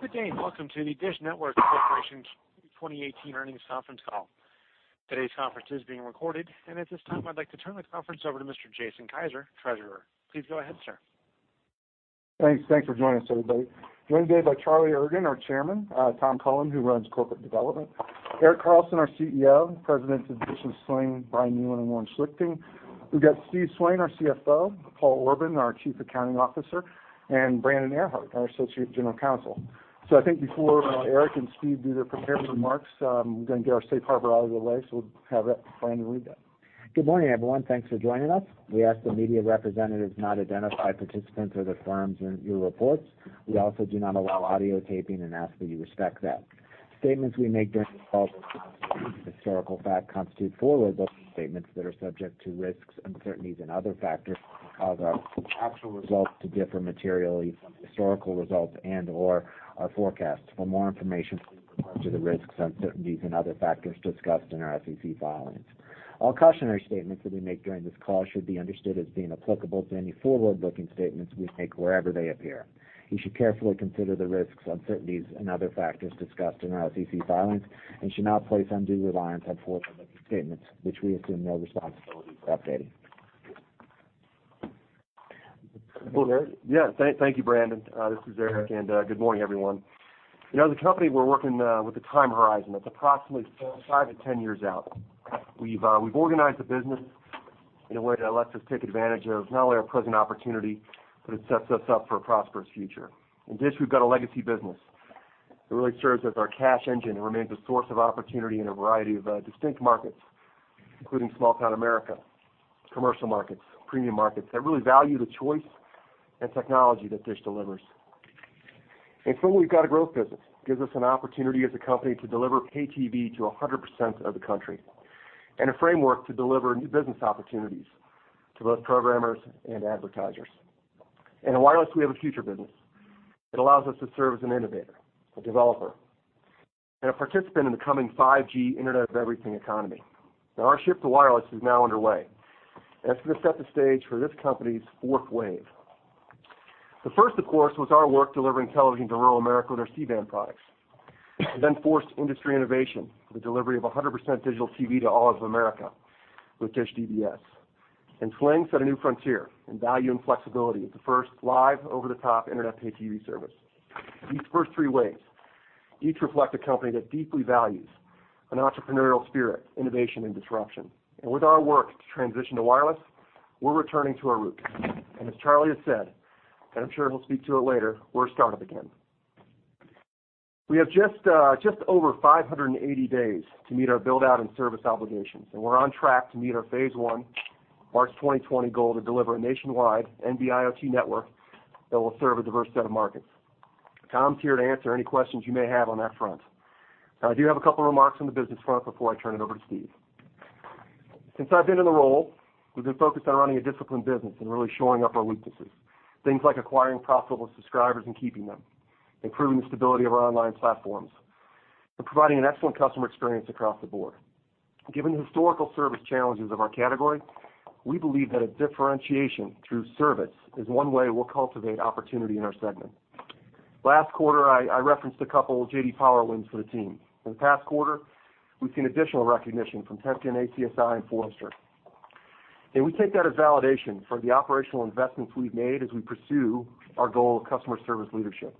Good day and welcome to the DISH Network Corporation's 2018 earnings conference call. Today's conference is being recorded. At this time, I'd like to turn the conference over to Mr. Jason Kiser, Treasurer. Please go ahead, sir. Thanks. Thanks for joining us, everybody. I'm joined today by Charlie Ergen, our Chairman, Tom Cullen, who runs Corporate Development. Erik Carlson, our CEO, Presidents of DISH and Sling, Brian Neylon and Warren Schlichting. We've got Steve Swain, our CFO, Paul Orban, our Chief Accounting Officer, and Brandon Ehrhart, our Associate General Counsel. I think before Erik and Steve do their prepared remarks, we're gonna get our safe harbor out of the way, so we'll have Brandon read that. Good morning, everyone. Thanks for joining us. We ask the media representatives to not identify participants or the firms in your reports. We also do not allow audio taping and ask that you respect that. Statements we make during this call that are not historical fact constitute forward-looking statements that are subject to risks, uncertainties, and other factors that cause our actual results to differ materially from historical results and/or our forecasts. For more information, please refer to the risks, uncertainties, and other factors discussed in our SEC filings. All cautionary statements that we make during this call should be understood as being applicable to any forward-looking statements we make wherever they appear. You should carefully consider the risks, uncertainties, and other factors discussed in our SEC filings and should not place undue reliance on forward-looking statements, which we assume no responsibility for updating. Well, Erik. Yeah. Thank you, Brandon. This is Erik, and good morning, everyone. You know, as a company, we're working with a time horizon that's approximately five-10 years out. We've organized the business in a way that lets us take advantage of not only our present opportunity, but it sets us up for a prosperous future. In DISH, we've got a legacy business. It really serves as our cash engine and remains a source of opportunity in a variety of distinct markets, including small town America, commercial markets, premium markets that really value the choice and technology that DISH delivers. In Sling, we've got a growth business. Gives us an opportunity as a company to deliver pay TV to 100% of the country and a framework to deliver new business opportunities to both programmers and advertisers. In wireless, we have a future business. It allows us to serve as an innovator, a developer, and a participant in the coming 5G Internet of Everything economy. Now our ship to wireless is now underway. It's gonna set the stage for this company's fourth wave. The first, of course, was our work delivering television to rural America with our C-Band products. We then forced industry innovation for the delivery of 100% digital TV to all of America with DISH DBS. Sling set a new frontier in value and flexibility with the first live over-the-top internet pay TV service. These first three waves each reflect a company that deeply values an entrepreneurial spirit, innovation, and disruption. With our work to transition to wireless, we're returning to our roots. As Charlie has said, and I'm sure he'll speak to it later, we're a startup again. We have just over 580 days to meet our build-out and service obligations, and we're on track to meet our phase I March 2020 goal to deliver a nationwide NB-IoT network that will serve a diverse set of markets. Tom's here to answer any questions you may have on that front. I do have a couple of remarks on the business front before I turn it over to Steve. Since I've been in the role, we've been focused on running a disciplined business and really shoring up our weaknesses. Things like acquiring profitable subscribers and keeping them, improving the stability of our online platforms, and providing an excellent customer experience across the board. Given the historical service challenges of our category, we believe that a differentiation through service is one way we'll cultivate opportunity in our segment. Last quarter, I referenced a couple of J.D. Power wins for the team. In the past quarter, we've seen additional recognition from Temkin, ACSI, and Forrester. We take that as validation for the operational investments we've made as we pursue our goal of customer service leadership.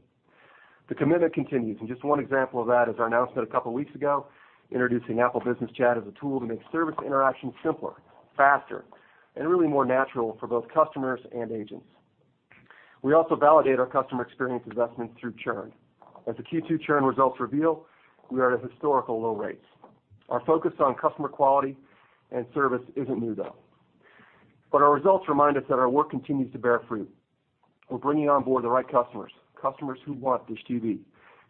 The commitment continues, and just one example of that is our announcement a couple weeks ago, introducing Apple Business Chat as a tool to make service interactions simpler, faster, and really more natural for both customers and agents. We also validate our customer experience investments through churn. As the Q2 churn results reveal, we are at historical low rates. Our focus on customer quality and service isn't new, though. Our results remind us that our work continues to bear fruit. We're bringing on board the right customers who want DISH TV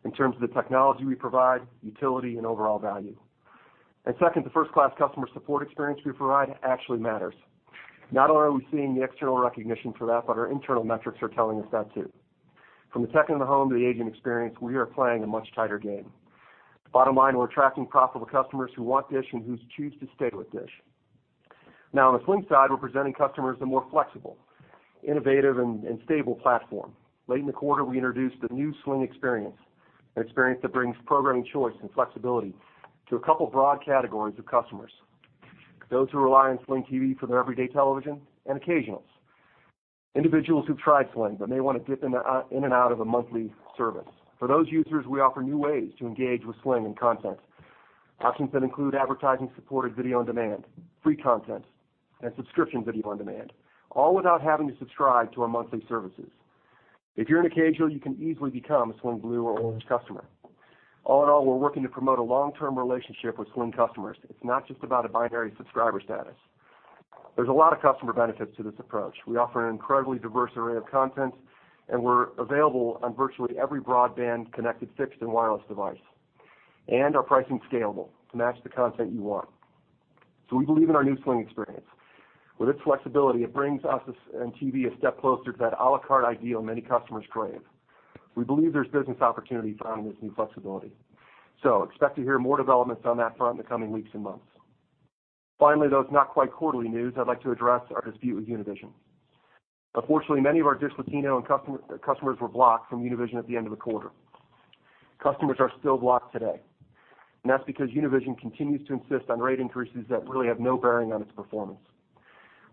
in terms of the technology we provide, utility, and overall value. Second, the first-class customer support experience we provide actually matters. Not only are we seeing the external recognition for that, but our internal metrics are telling us that, too. From the tech in the home to the agent experience, we are playing a much tighter game. Bottom line, we're attracting profitable customers who want DISH and who choose to stay with DISH. On the Sling side, we're presenting customers a more flexible, innovative, and stable platform. Late in the quarter, we introduced the new Sling experience, an experience that brings programming choice and flexibility to a couple broad categories of customers. Those who rely on Sling TV for their everyday television and occasionals. Individuals who've tried Sling but may wanna dip in and out of a monthly service. For those users, we offer new ways to engage with Sling and content. Options that include advertising-supported video on demand, free content, and subscription video on demand, all without having to subscribe to our monthly services. If you're an occasional, you can easily become a Sling Blue or Orange customer. All in all, we're working to promote a long-term relationship with Sling customers. It's not just about a binary subscriber status. There's a lot of customer benefits to this approach. We offer an incredibly diverse array of content, we're available on virtually every broadband-connected fixed and wireless device. Our pricing is scalable to match the content you want. We believe in our new Sling experience. With its flexibility, it brings us and TV a step closer to that à la carte ideal many customers crave. We believe there's business opportunities around this new flexibility. Expect to hear more developments on that front in the coming weeks and months. Finally, though it's not quite quarterly news, I'd like to address our dispute with Univision. Unfortunately, many of our DishLATINO and customers were blocked from Univision at the end of the quarter. Customers are still blocked today, that's because Univision continues to insist on rate increases that really have no bearing on its performance.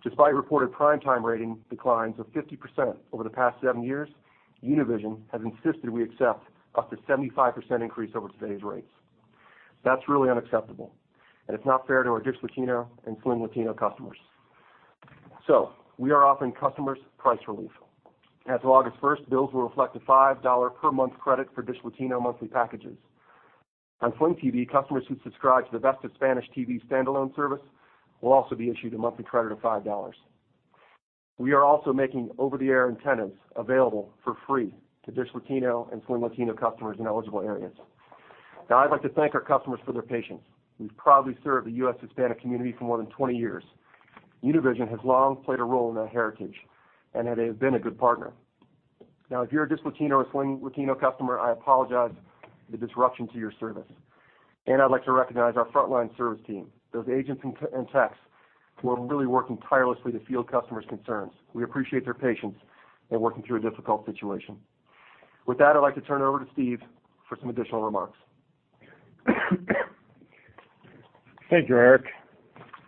Despite reported prime time rating declines of 50% over the past seven years, Univision has insisted we accept up to 75% increase over today's rates. That's really unacceptable, it's not fair to our DishLATINO and Sling Latino customers. We are offering customers price relief. As of August 1st, bills will reflect a $5 per month credit for DishLATINO monthly packages. On Sling TV, customers who subscribe to the Best of Spanish TV standalone service will also be issued a monthly credit of $5. We are also making over-the-air antennas available for free to DishLATINO and Sling Latino customers in eligible areas. I'd like to thank our customers for their patience. We've proudly served the U.S. Hispanic community for more than 20 years. Univision has long played a role in that heritage and that they have been a good partner. If you're a DishLATINO or Sling Latino customer, I apologize the disruption to your service, and I'd like to recognize our frontline service team, those agents and techs who are really working tirelessly to field customers' concerns. We appreciate their patience and working through a difficult situation. With that, I'd like to turn it over to Steve for some additional remarks. Thank you, Erik.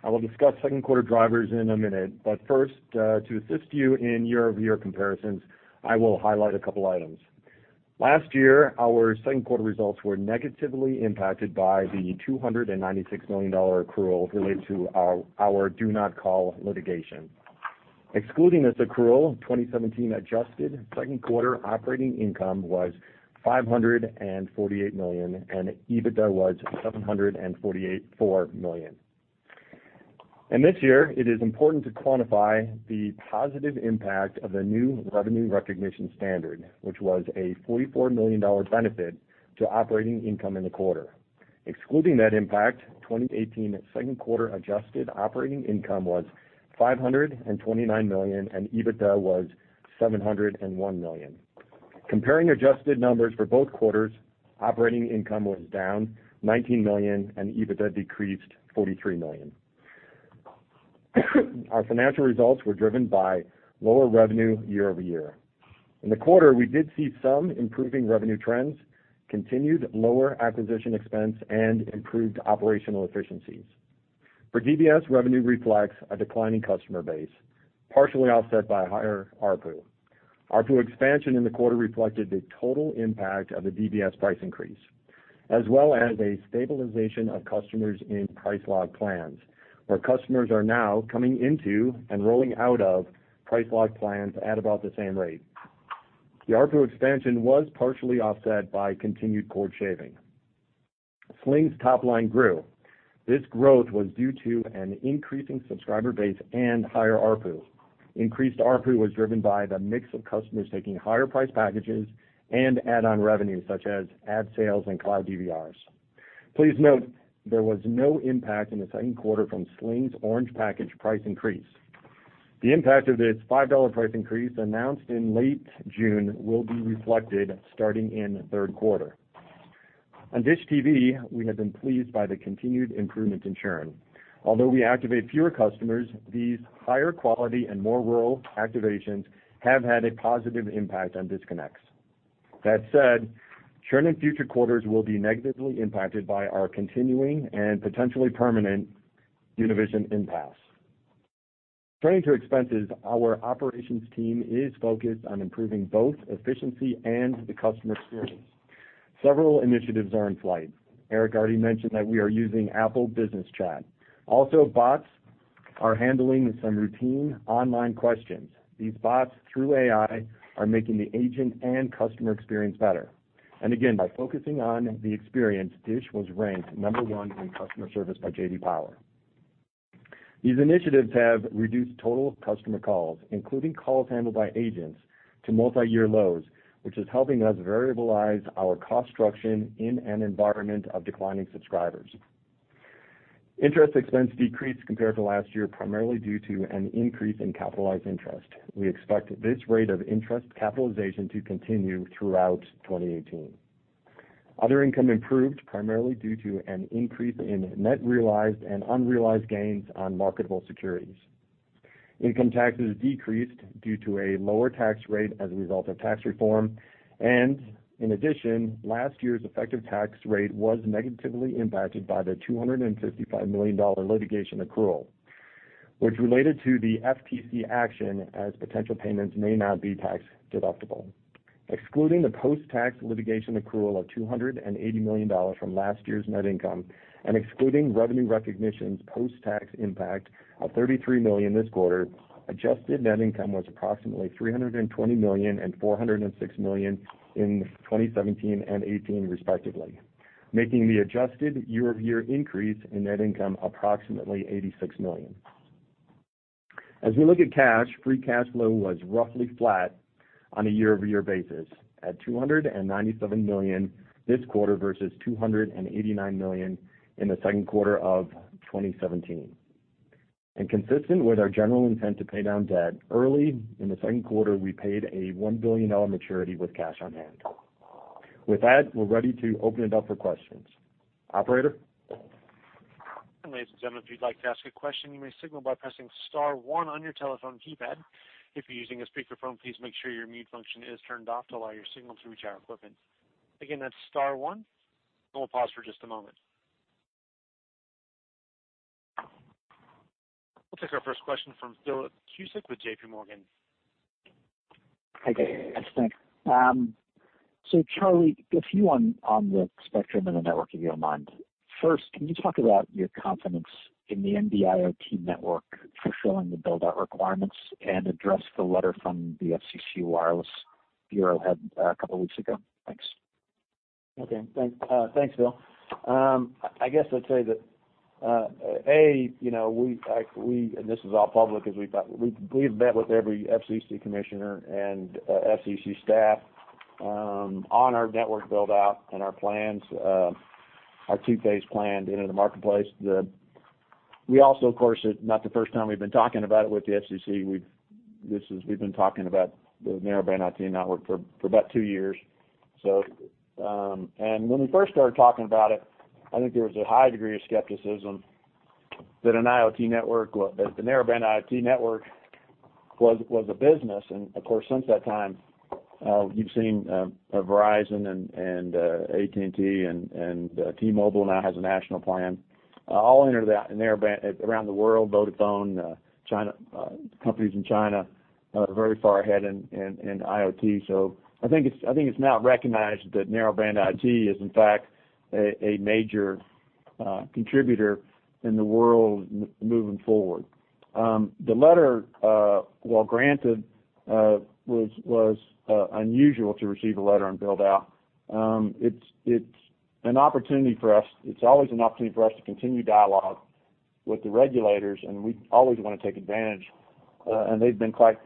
I will discuss second quarter drivers in a minute, but first, to assist you in year-over-year comparisons, I will highlight a couple items. Last year, our second quarter results were negatively impacted by the $296 million accrual related to our Do Not Call litigation. Excluding this accrual, 2017 adjusted second quarter operating income was $548 million, and EBITDA was $748.4 million. This year, it is important to quantify the positive impact of the new revenue recognition standard, which was a $44 million benefit to operating income in the quarter. Excluding that impact, 2018 second quarter adjusted operating income was $529 million, and EBITDA was $701 million. Comparing adjusted numbers for both quarters, operating income was down $19 million and EBITDA decreased $43 million. Our financial results were driven by lower revenue year-over-year. In the quarter, we did see some improving revenue trends, continued lower acquisition expense, and improved operational efficiencies. For DBS, revenue reflects a declining customer base, partially offset by higher ARPU. ARPU expansion in the quarter reflected the total impact of the DBS price increase, as well as a stabilization of customers in price lock plans, where customers are now coming into and rolling out of price lock plans at about the same rate. The ARPU expansion was partially offset by continued cord shaving. Sling's top line grew. This growth was due to an increasing subscriber base and higher ARPU. Increased ARPU was driven by the mix of customers taking higher priced packages and add-on revenue such as ad sales and cloud DVRs. Please note there was no impact in the second quarter from Sling Orange package price increase. The impact of this $5 price increase announced in late June will be reflected starting in the third quarter. On DISH TV, we have been pleased by the continued improvement in churn. We activate fewer customers, these higher quality and more rural activations have had a positive impact on disconnects. That said, churn in future quarters will be negatively impacted by our continuing and potentially permanent Univision impasse. Turning to expenses, our operations team is focused on improving both efficiency and the customer experience. Several initiatives are in flight. Erik already mentioned that we are using Apple Business Chat. Bots are handling some routine online questions. These bots, through AI, are making the agent and customer experience better. Again, by focusing on the experience, DISH was ranked number one in customer service by J.D. Power. These initiatives have reduced total customer calls, including calls handled by agents to multiyear lows, which is helping us variabilize our cost structure in an environment of declining subscribers. Interest expense decreased compared to last year, primarily due to an increase in capitalized interest. We expect this rate of interest capitalization to continue throughout 2018. Other income improved primarily due to an increase in net realized and unrealized gains on marketable securities. Income taxes decreased due to a lower tax rate as a result of tax reform. In addition, last year's effective tax rate was negatively impacted by the $255 million litigation accrual, which related to the FTC action as potential payments may not be tax-deductible. Excluding the post-tax litigation accrual of $280 million from last year's net income and excluding revenue recognitions post-tax impact of $33 million this quarter, adjusted net income was approximately $320 million and $406 million in 2017 and 2018 respectively, making the adjusted year-over-year increase in net income approximately $86 million. As we look at cash, free cash flow was roughly flat on a year-over-year basis at $297 million this quarter versus $289 million in the second quarter of 2017. Consistent with our general intent to pay down debt early in the second quarter, we paid a $1 billion maturity with cash on hand. With that, we're ready to open it up for questions. Operator? If you'd like to ask a question you may signal by pressing star one on your telephone keypad, if you're using a speaker phone please make sure your mute function is turned off to, [inaudible] again that's star one, we'll pause for a moment. We'll take our first question from Philip Cusick with JPMorgan. Hi, guys. Thanks. Charlie, a few on the spectrum and the network on your mind. First, can you talk about your confidence in the NB-IoT network for filling the build-out requirements and address the letter from the FCC Wireless Bureau head a couple weeks ago? Thanks. Okay. Thanks, Phil. I guess I'd say that, you know, this is all public, as we've met with every FCC commissioner and FCC staff on our network build-out and our plans, our two-phase plan to enter the marketplace. We also, of course, it's not the first time we've been talking about it with the FCC. We've been talking about the Narrowband IoT network for about two years. When we first started talking about it, I think there was a high degree of skepticism that an IoT network, the Narrowband IoT network was a business. Of course, since that time, you've seen Verizon and AT&T and T-Mobile now has a national plan, all enter the Narrowband around the world. Vodafone, China, companies in China are very far ahead in IoT. I think it's now recognized that Narrowband IoT is in fact a major contributor in the world moving forward. The letter, while granted, was unusual to receive a letter on build-out. It's an opportunity for us. It's always an opportunity for us to continue dialogue with the regulators, and we always wanna take advantage. They've been quite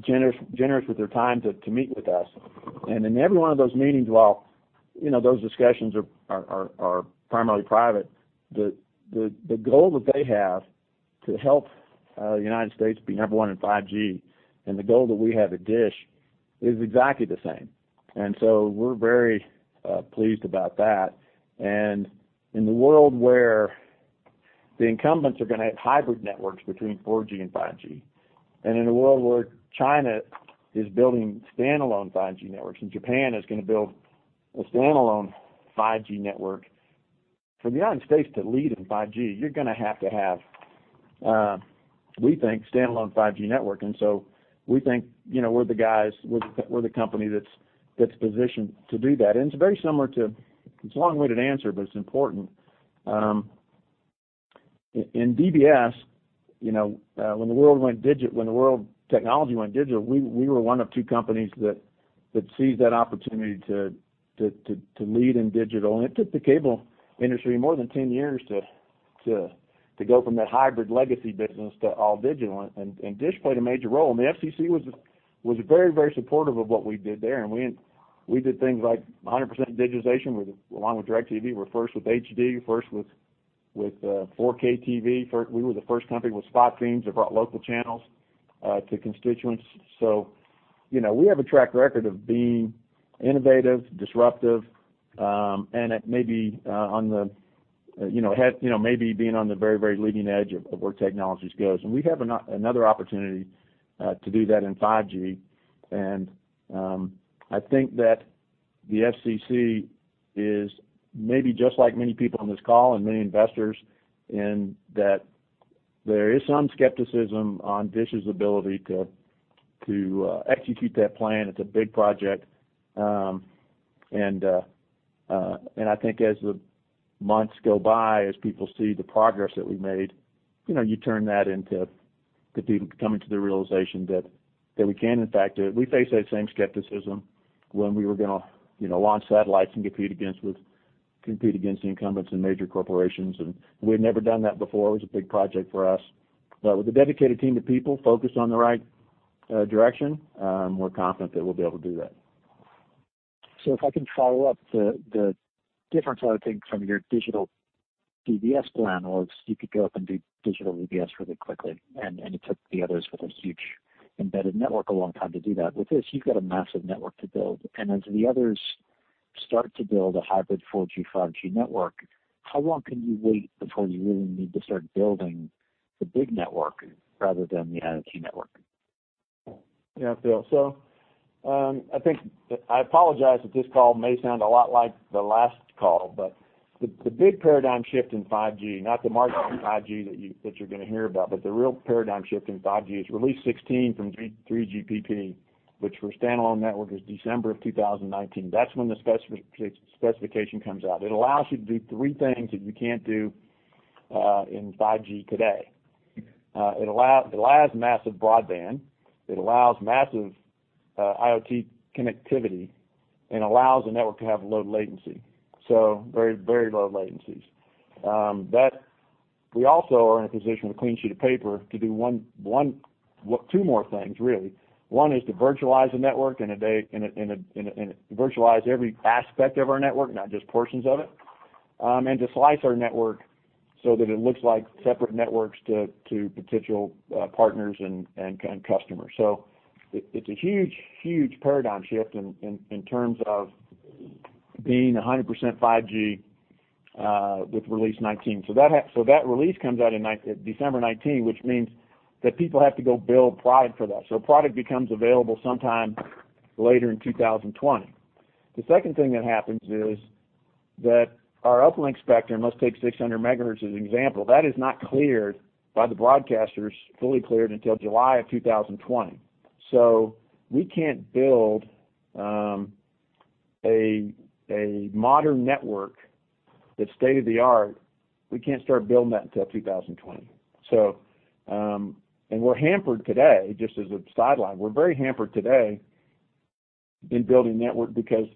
generous with their time to meet with us. In every one of those meetings, while, you know, those discussions are primarily private, the goal that they have to help the United States be number one in 5G and the goal that we have at DISH is exactly the same. We're very pleased about that. In the world where the incumbents are gonna have hybrid networks between 4G and 5G, and in a world where China is building standalone 5G networks and Japan is gonna build a standalone 5G network, for the United States to lead in 5G, you're gonna have to have, we think, standalone 5G network. We think, you know, we're the guys, we're the company that's positioned to do that. It's a long-winded answer, but it's important. In DBS, you know, when the world technology went digital, we were one of two companies that seized that opportunity to lead in digital. It took the cable industry more than 10 years to go from that hybrid legacy business to all digital and DISH played a major role. The FCC was very supportive of what we did there. We did things like 100% digitization. We, along with DirecTV, were first with HD, first with 4K TV. We were the first company with spot beams that brought local channels to constituents. You know, we have a track record of being innovative, disruptive, and at maybe, on the, you know, maybe being on the very leading edge of where technologies goes. We have another opportunity to do that in 5G. I think that the FCC is maybe just like many people on this call and many investors in that there is some skepticism on DISH's ability to execute that plan. It's a big project. I think as the months go by, as people see the progress that we made, you know, you turn that into people coming to the realization that we can in fact. We faced that same skepticism when we were going to, you know, launch satellites and compete against the incumbents and major corporations, and we had never done that before. It was a big project for us. With a dedicated team to people focused on the right direction, we're confident that we'll be able to do that. If I can follow up, the difference I would think from your digital DBS plan was you could go up and do digital DBS really quickly, and it took the others with a huge embedded network a long time to do that. With this, you've got a massive network to build, and as the others start to build a hybrid 4G, 5G network, how long can you wait before you really need to start building the big network rather than the IoT network? Yeah, Phil. I think, I apologize if this call may sound a lot like the last call, the big paradigm shift in 5G, not the marketing 5G that you, that you're gonna hear about, the real paradigm shift in 5G is Release 16 from 3GPP, which for a standalone network is December of 2019. That's when the specification comes out. It allows you to do three things that you can't do in 5G today. It allows massive broadband, it allows massive IoT connectivity, allows the network to have low latency, very, very low latencies. We also are in a position with a clean sheet of paper to do one, well, two more things really. One is to virtualize every aspect of our network, not just portions of it. To slice our network so that it looks like separate networks to potential partners and customers. It's a huge, huge paradigm shift in terms of being 100% 5G with Release 19. That release comes out in December 2019, which means that people have to go build product for that. Product becomes available sometime later in 2020. The second thing that happens is that our uplink spectrum, let's take 600 MHz as an example, that is not cleared by the broadcasters, fully cleared until July of 2020. We can't build a modern network that's state-of-the-art, we can't start building that until 2020. We're hampered today, just as a sideline, we're very hampered today in building network because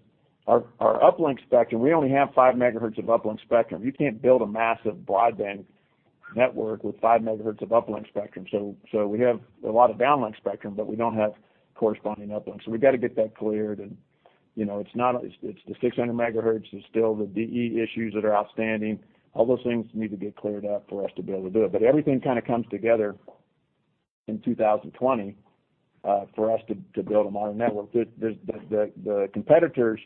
our uplink spectrum, we only have 5 MHz of uplink spectrum. You can't build a massive broadband network with 5 MHz of uplink spectrum. We have a lot of downlink spectrum, but we don't have corresponding uplink. We've gotta get that cleared and, you know, it's the 600 Mhz, there's still the DE issues that are outstanding. All those things need to get cleared up for us to be able to do it. Everything kinda comes together in 2020 for us to build a modern network. The competitors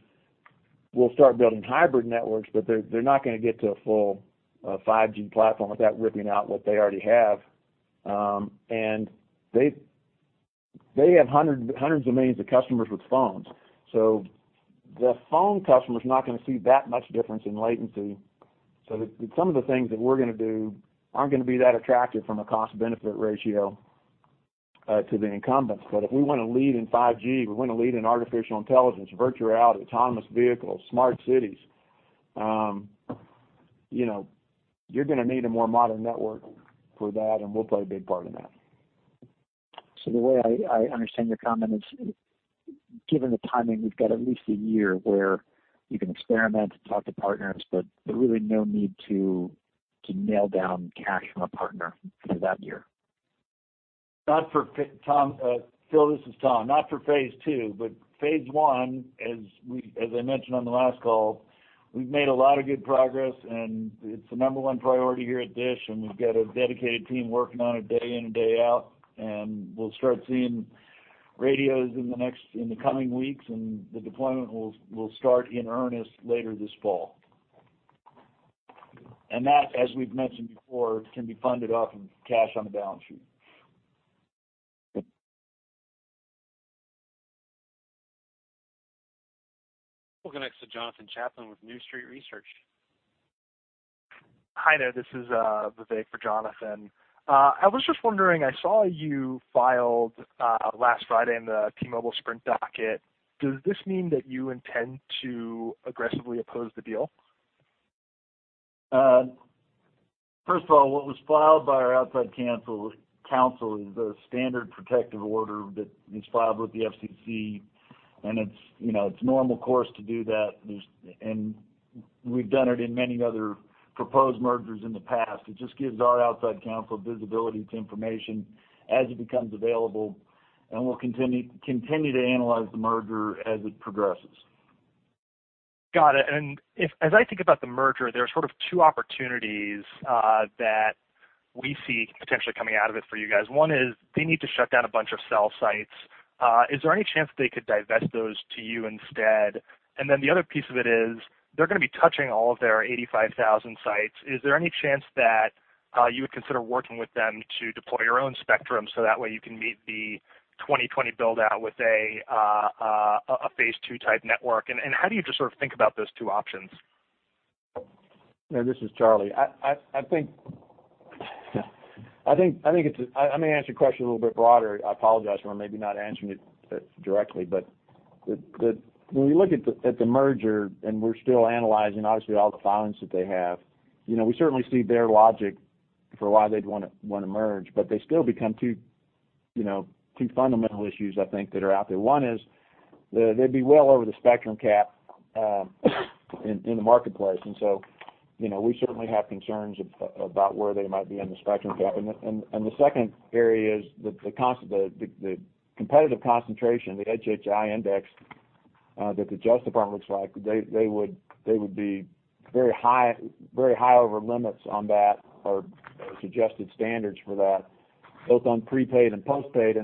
will start building hybrid networks, but they're not gonna get to a full 5G platform without ripping out what they already have. They have hundreds of millions of customers with phones. The phone customer's not gonna see that much difference in latency. Some of the things that we're gonna do aren't gonna be that attractive from a cost benefit ratio to the incumbents. If we wanna lead in 5G, we wanna lead in artificial intelligence, virtual reality, autonomous vehicles, smart cities, you know, you're gonna need a more modern network for that, and we'll play a big part in that. The way I understand your comment is, given the timing, we've got at least a year where you can experiment, talk to partners, but really no need to nail down cash from a partner for that year. Not for Tom, Phil, this is Tom. Not for phase II, but phase I, as I mentioned on the last call, we've made a lot of good progress. It's the number one priority here at DISH. We've got a dedicated team working on it day in and day out. We'll start seeing radios in the coming weeks. The deployment will start in earnest later this fall. That, as we've mentioned before, can be funded off of cash on the balance sheet. We'll connect to Jonathan Chaplin with New Street Research. Hi there. This is Vivek for Jonathan. I was just wondering, I saw you filed last Friday in the T-Mobile, Sprint docket. Does this mean that you intend to aggressively oppose the deal? First of all, what was filed by our outside counsel is a standard protective order that is filed with the FCC, and it's, you know, it's normal course to do that. We've done it in many other proposed mergers in the past. It just gives our outside counsel visibility to information as it becomes available, and we'll continue to analyze the merger as it progresses. Got it. If, as I think about the merger, there are sort of two opportunities that we see potentially coming out of it for you guys. One is they need to shut down a bunch of cell sites. Is there any chance they could divest those to you instead? Then the other piece of it is they're gonna be touching all of their 85,000 sites. Is there any chance that you would consider working with them to deploy your own spectrum, so that way you can meet the 2020 build-out with a phase II type network? How do you just sort of think about those two options? Yeah, this is Charlie. I think I may answer your question a little bit broader. I apologize for maybe not answering it directly. When you look at the merger, and we're still analyzing obviously all the filings that they have, you know, we certainly see their logic for why they'd wanna merge. They still become two, you know, two fundamental issues I think that are out there. One is they'd be well over the spectrum cap in the marketplace. You know, we certainly have concerns about where they might be in the spectrum cap. The second area is the competitive concentration, the HHI index, that the Justice Department looks like, they would be very high over limits on that or suggested standards for that, both on prepaid and postpaid.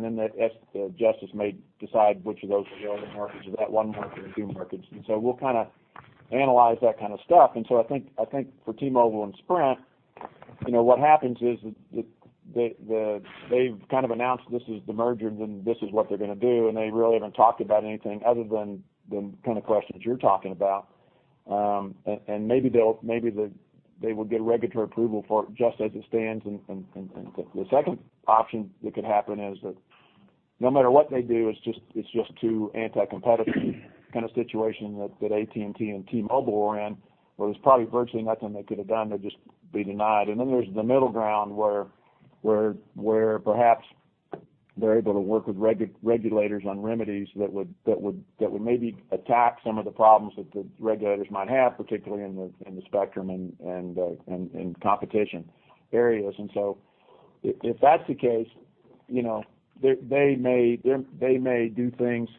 Justice may decide which of those are relevant markets or that one market or two markets. We'll kind of analyze that kind of stuff. I think for T-Mobile and Sprint, you know, what happens is they've kind of announced this is the merger and this is what they're going to do, and they really haven't talked about anything other than the kind of questions you're talking about. Maybe they'll get regulatory approval for it just as it stands. The second option that could happen is that no matter what they do, it's just too anti-competitive kind of situation that AT&T and T-Mobile were in, where it's probably virtually nothing they could have done. They'd just be denied. Then there's the middle ground where perhaps they're able to work with regulators on remedies that would maybe attack some of the problems that the regulators might have, particularly in the spectrum and competition areas. If that's the case, you know, they may do things.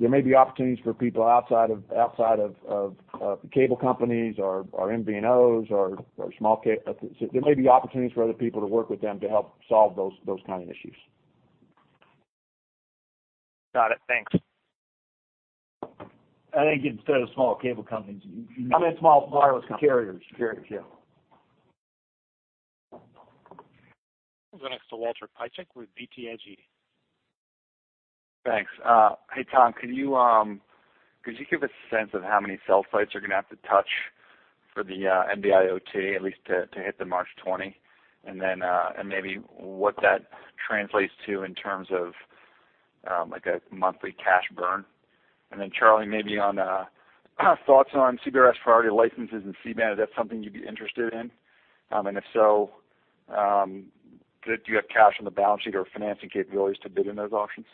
There may be opportunities for people outside of cable companies or MVNOs, or there may be opportunities for other people to work with them to help solve those kind of issues. Got it. Thanks. I think instead of smaller cable companies, you mean? I meant small wireless carriers. Carriers, yeah. We'll go next to Walter Piecyk with BTIG. Thanks. Hey, Tom, can you, could you give a sense of how many cell sites you're gonna have to touch for the NB-IoT at least to hit the March 2020, and maybe what that translates to in terms of like a monthly cash burn. Charlie, maybe on thoughts on CBRS priority licenses and C-Band, is that something you'd be interested in? If so, you have cash on the balance sheet or financing capabilities to bid in those auctions?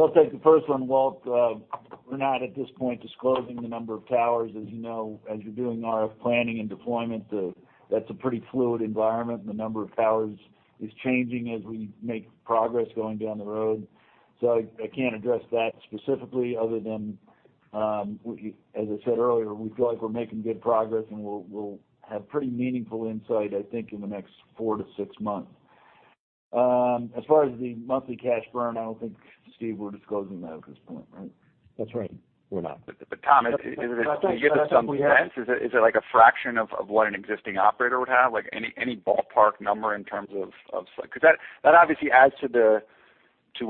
I'll take the first one, Walt. We're not at this point disclosing the number of towers. As you know, as you're doing RF planning and deployment, that's a pretty fluid environment, and the number of towers is changing as we make progress going down the road. I can't address that specifically other than, as I said earlier, we feel like we're making good progress, and we'll have pretty meaningful insight, I think, in the next four to six months. As far as the monthly cash burn, I don't think, Steve, we're disclosing that at this point, right? That's right. We're not. Tom, is it? But I think, but I think we have. Can you give us some sense? Is it like a fraction of what an existing operator would have? Like, any ballpark number in terms of like 'Cause that obviously adds to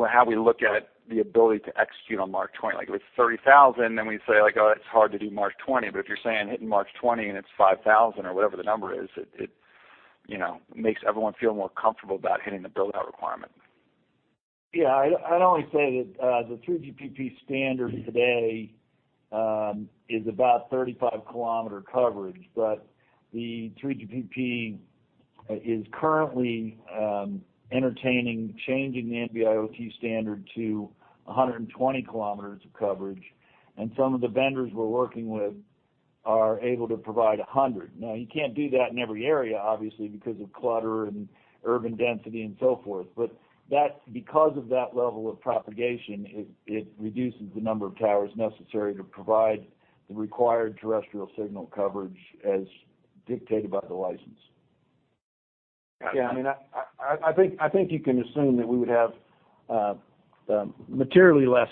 how we look at the ability to execute on March 20. Like, if it's 30,000, then we say like, "Oh, it's hard to do March 20." If you're saying hitting March 20 and it's 5,000 or whatever the number is, it, you know, makes everyone feel more comfortable about hitting the build-out requirement. Yeah. I'd only say that the 3GPP standard today is about 35 km coverage. The 3GPP is currently entertaining changing the NB-IoT standard to 120 km of coverage, and some of the vendors we're working with are able to provide 100 km. Now, you can't do that in every area, obviously, because of clutter and urban density and so forth. That's because of that level of propagation, it reduces the number of towers necessary to provide the required terrestrial signal coverage as dictated by the license. Yeah, I mean, I think you can assume that we would have materially less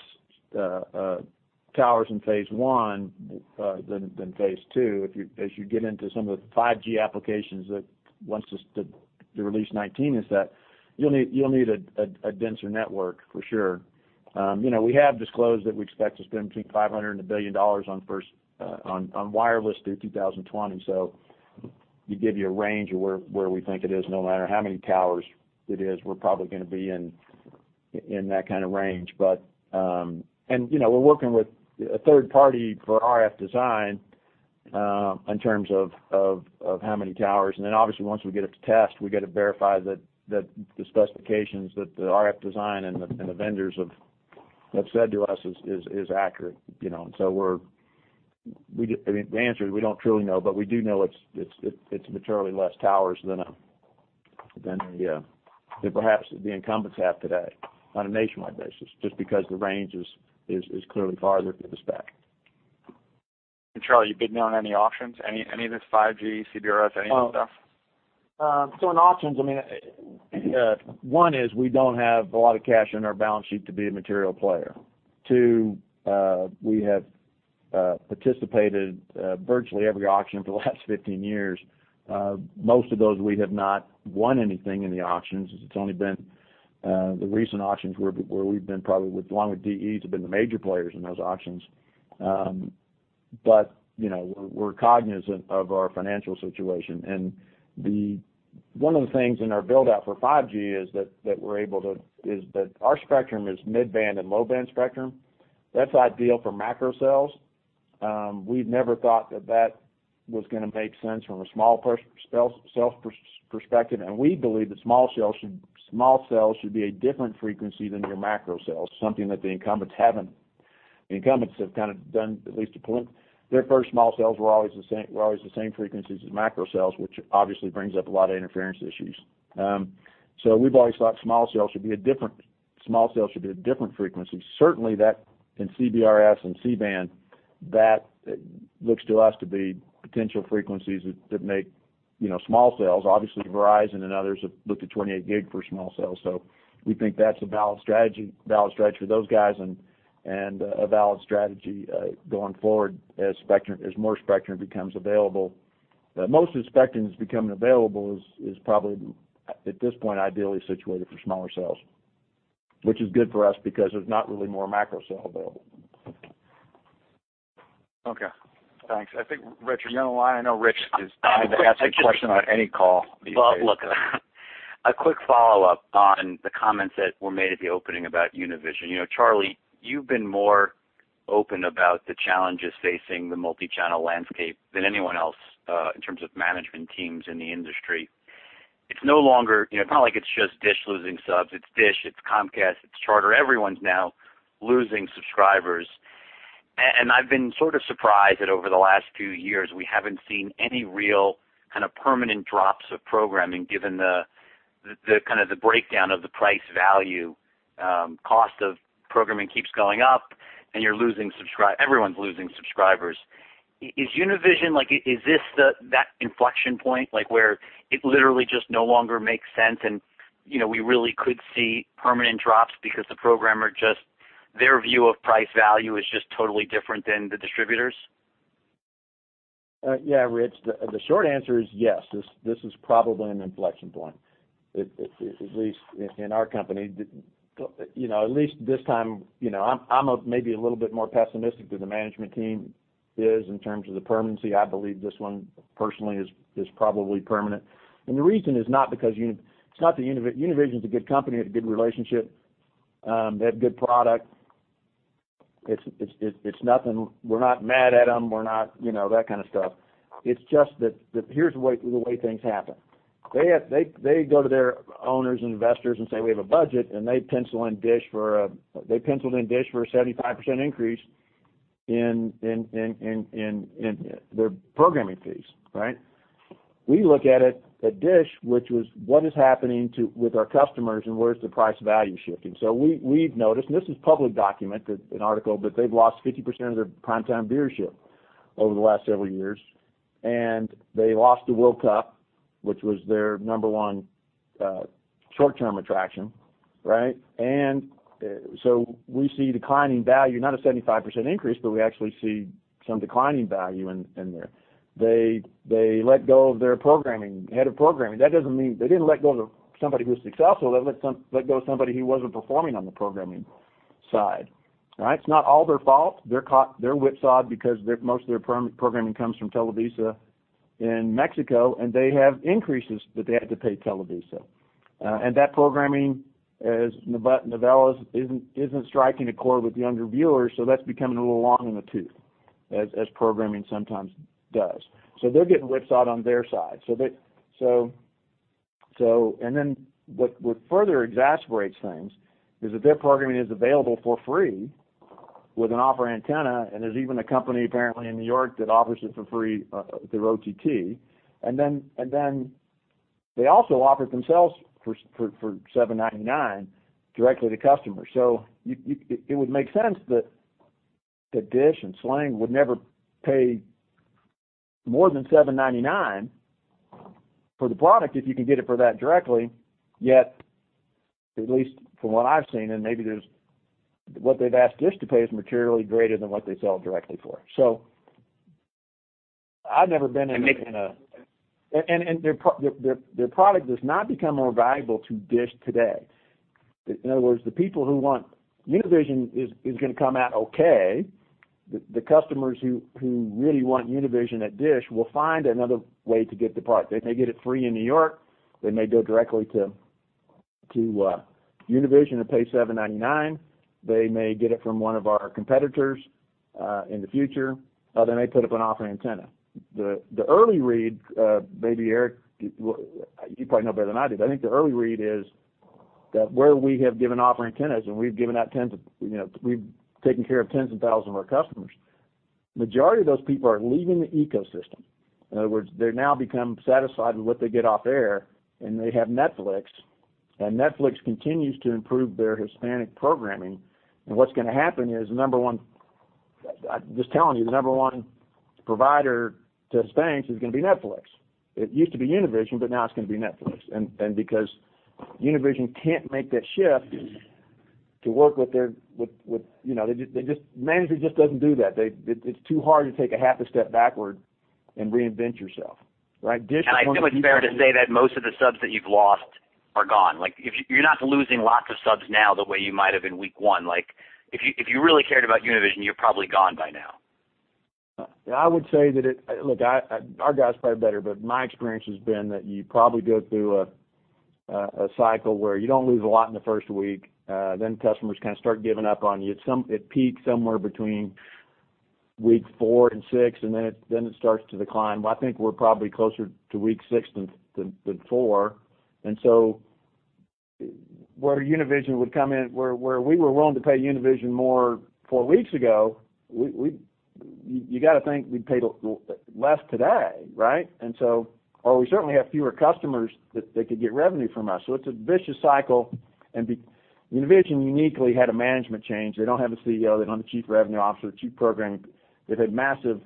towers in phase I than phase II. As you get into some of the 5G applications that once the Release 19 is set, you'll need a denser network for sure. You know, we have disclosed that we expect to spend between $500 million and $1 billion on first on wireless through 2020. We give you a range of where we think it is. No matter how many towers it is, we're probably gonna be in that kind of range. You know, we're working with a third party for RF design in terms of of how many towers. Obviously, once we get it to test, we got to verify that the specifications that the RF design and the vendors have said to us is accurate, you know. I mean, the answer is we don't truly know, but we do know it's materially less towers than the than perhaps the incumbents have today on a nationwide basis, just because the range is clearly farther for the spec. Charlie, you bidding on any auctions? Any, any of this 5G, CBRS, any of this stuff? In auctions, one is we don't have a lot of cash in our balance sheet to be a material player. Two, we have participated virtually every auction for the last 15 years. Most of those we have not won anything in the auctions, as it's only been the recent auctions where we've been probably with, along with DE, have been the major players in those auctions. You know, we're cognizant of our financial situation. One of the things in our build-out for 5G is that we're able to is that our spectrum is mid-band and low-band spectrum. That's ideal for macro cells. We've never thought that that was gonna make sense from a small cell perspective. We believe that small cells should be a different frequency than your macro cells, something that the incumbents haven't. The incumbents have kind of done at least a point. Their first small cells were always the same frequencies as macro cells, which obviously brings up a lot of interference issues. We've always thought small cells should be a different frequency. Certainly that in CBRS and C-Band, that looks to us to be potential frequencies that make, you know, small cells. Obviously, Verizon and others have looked at 28 GHz for small cells. We think that's a valid strategy for those guys and a valid strategy going forward as more spectrum becomes available. Most of the spectrum that's becoming available is probably at this point ideally situated for smaller cells, which is good for us because there's not really more macro cell available. Okay. Thanks. I think, Richard. You know why I know Rich is. I have to ask a question on any call these days. Well, look, a quick follow-up on the comments that were made at the opening about Univision. You know, Charlie, you've been more open about the challenges facing the multi-channel landscape than anyone else, in terms of management teams in the industry. It's no longer, you know, probably like it's just DISH losing subs. It's DISH, it's Comcast, it's Charter. Everyone's now losing subscribers. I've been sort of surprised that over the last few years, we haven't seen any real kind of permanent drops of programming given the kind of the breakdown of the price value, cost of programming keeps going up and everyone's losing subscribers. Is Univision like that inflection point, like, where it literally just no longer makes sense and, you know, we really could see permanent drops because the programmer just, their view of price value is just totally different than the distributors? Yeah, Rich, the short answer is yes. This is probably an inflection point. At least in our company, you know, at least this time, you know, I'm maybe a little bit more pessimistic than the management team is in terms of the permanency. I believe this one personally is probably permanent. The reason is not because it's not the Univision's a good company, a good relationship, they have good product. It's nothing. We're not mad at them. We're not, you know, that kind of stuff. It's just that here's the way things happen. They go to their owners and investors and say, "We have a budget." They penciled in DISH for a 75% increase in their programming fees, right? We look at it at DISH, which was what is happening with our customers and where is the price value shifting. We've noticed, and this is public document that an article, they've lost 50% of their prime time viewership over the last several years. They lost the World Cup, which was their number one short-term attraction, right? We see declining value, not a 75% increase, we actually see some declining value in there. They let go of their programming, head of programming. That doesn't mean they didn't let go of somebody who was successful. They let go of somebody who wasn't performing on the programming side, right? It's not all their fault. They're whipsawed because most of their programming comes from Televisa in Mexico, and they have increases that they have to pay Televisa. That programming as novellas isn't striking a chord with younger viewers, so that's becoming a little long in the tooth, as programming sometimes does. They're getting whipsawed on their side. What further exacerbates things is that their programming is available for free with an off-air antenna, and there's even a company apparently in N.Y. that offers it for free through OTT. They also offer it themselves for $7.99 directly to customers. It would make sense that the DISH and Sling would never pay more than $7.99 for the product if you can get it for that directly. At least from what I've seen, and maybe there's what they've asked DISH to pay is materially greater than what they sell directly for. And making a. Their product does not become more valuable to DISH today. In other words, the people who want Univision is gonna come out okay. The customers who really want Univision at DISH will find another way to get the product. They may get it free in New York. They may go directly to Univision and pay $7.99. They may get it from one of our competitors in the future, or they may put up an off-air antenna. The early read, maybe Erik, you probably know better than I do, but I think the early read is that where we have given off-air antennas, and we've given out tens of, you know, we've taken care of tens of thousands of our customers, majority of those people are leaving the ecosystem. In other words, they're now become satisfied with what they get off air, and they have Netflix. Netflix continues to improve their Hispanic programming. What's gonna happen is, number one I'm just telling you, the number one provider to Hispanics is gonna be Netflix. It used to be Univision, but now it's gonna be Netflix. Because Univision can't make that shift to work with their, you know, they just management just doesn't do that. It's too hard to take a half a step backward and reinvent yourself, right? DISH is one of the few companies. I feel it's fair to say that most of the subs that you've lost are gone. You're not losing lots of subs now the way you might have in week one. If you really cared about Univision, you're probably gone by now. I would say that our guys probably are better, but my experience has been that you probably go through a cycle where you don't lose a lot in the first week, then customers kind of start giving up on you. It peaks somewhere between week four and six, it starts to decline. I think we're probably closer to week six than four. Where Univision would come in, where we were willing to pay Univision more four weeks ago, you gotta think we'd pay less today, right? We certainly have fewer customers that they could get revenue from us. It's a vicious cycle. Univision uniquely had a management change. They don't have a CEO. They don't have a Chief Revenue Officer, Chief Programming. They've had massive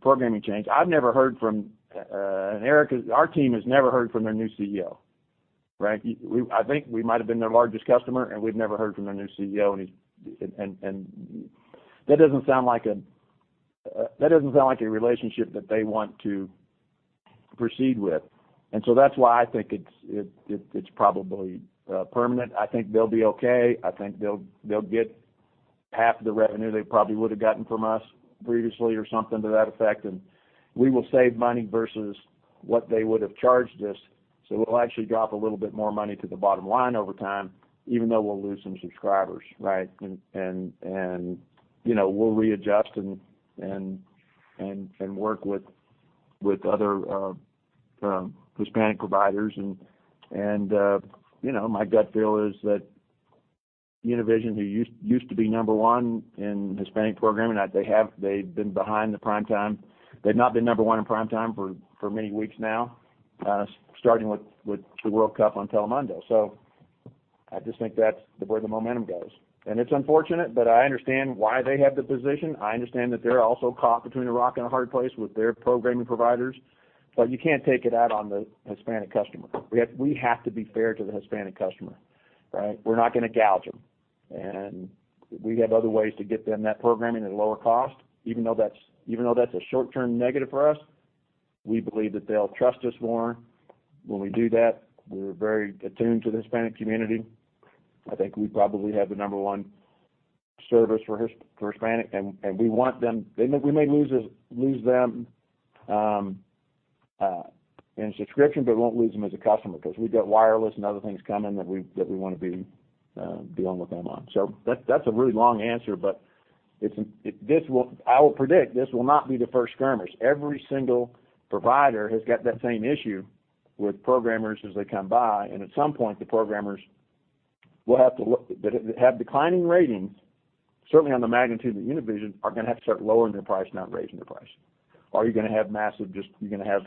programming change. I've never heard from, our team has never heard from their new CEO, right? I think we might've been their largest customer, and we've never heard from their new CEO. That doesn't sound like a relationship that they want to proceed with. That's why I think it's probably permanent. I think they'll be okay. I think they'll get half the revenue they probably would have gotten from us previously or something to that effect. We will save money versus what they would have charged us, so we'll actually drop a little bit more money to the bottom line over time, even though we'll lose some subscribers, right? You know, we'll readjust and work with other Hispanic providers and, you know, my gut feel is that Univision, who used to be number one in Hispanic programming, that they've been behind the prime time. They've not been number one in prime time for many weeks now, starting with the World Cup on Telemundo. I just think that's the way the momentum goes. It's unfortunate, but I understand why they have the position. I understand that they're also caught between a rock and a hard place with their programming providers. You can't take it out on the Hispanic customer. We have to be fair to the Hispanic customer, right? We're not gonna gouge them. We have other ways to get them that programming at a lower cost, even though that's a short-term negative for us, we believe that they'll trust us more when we do that. We're very attuned to the Hispanic community. I think we probably have the number one service for Hispanic. We may lose them in subscription, but won't lose them as a customer because we've got wireless and other things coming that we, that we wanna be dealing with them on. That's a really long answer, but I will predict this will not be the first skirmish. Every single provider has got that same issue with programmers as they come by. At some point, the programmers that have declining ratings, certainly on the magnitude of the Univision, are gonna have to start lowering their price, not raising their price. You're gonna have massive you're gonna have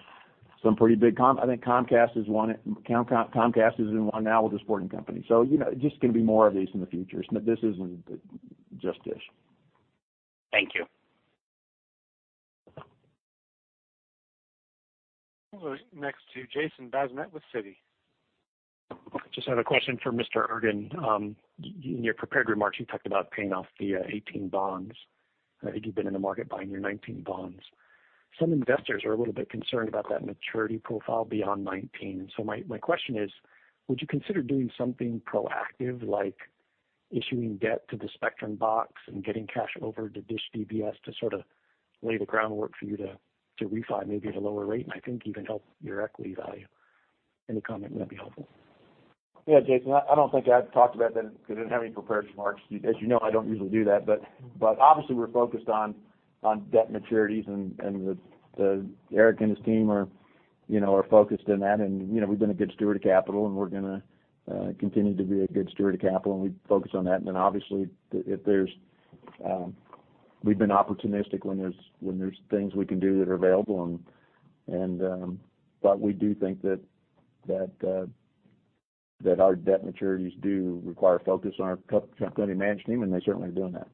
some pretty big I think Comcast is one it. Comcast is in one now with a sporting company. You know, just gonna be more of these in the future. This isn't just DISH. Thank you. We're next to Jason Bazinet with Citi. Just had a question for Mr. Ergen. In your prepared remarks, you talked about paying off the 2018 bonds. I think you've been in the market buying your 2019 bonds. Some investors are a little bit concerned about that maturity profile beyond 2019. My question is: Would you consider doing something proactive, like issuing debt to the spectrum box and getting cash over to DISH DBS to sort of lay the groundwork for you to refi maybe at a lower rate, and I think even help your equity value? Any comment on that'd be helpful. Yeah, Jason, I don't think I've talked about that because I didn't have any prepared remarks. As you know, I don't usually do that. Obviously we're focused on debt maturities and Erik and his team are, you know, are focused on that. You know, we've been a good steward of capital, and we're gonna continue to be a good steward of capital, and we focus on that. Obviously, if there's We've been opportunistic when there's things we can do that are available and, but we do think that our debt maturities do require focus on our company management team, and they're certainly doing that.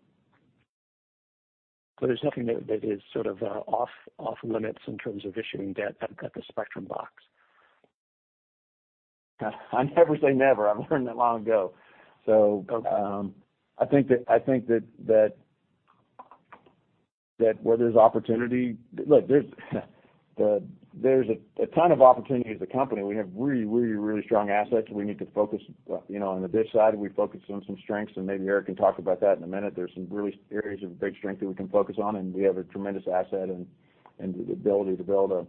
There's nothing that is sort of, off-limits in terms of issuing debt that's got the spectrum box? I never say never. I've learned that long ago. I think that, that where there's opportunity. Look, there's a ton of opportunity as a company. We have really strong assets, and we need to focus, you know, on the DISH side, and we focus on some strengths, and maybe Erik can talk about that in a minute. There's some really areas of big strength that we can focus on, and we have a tremendous asset and the ability to build a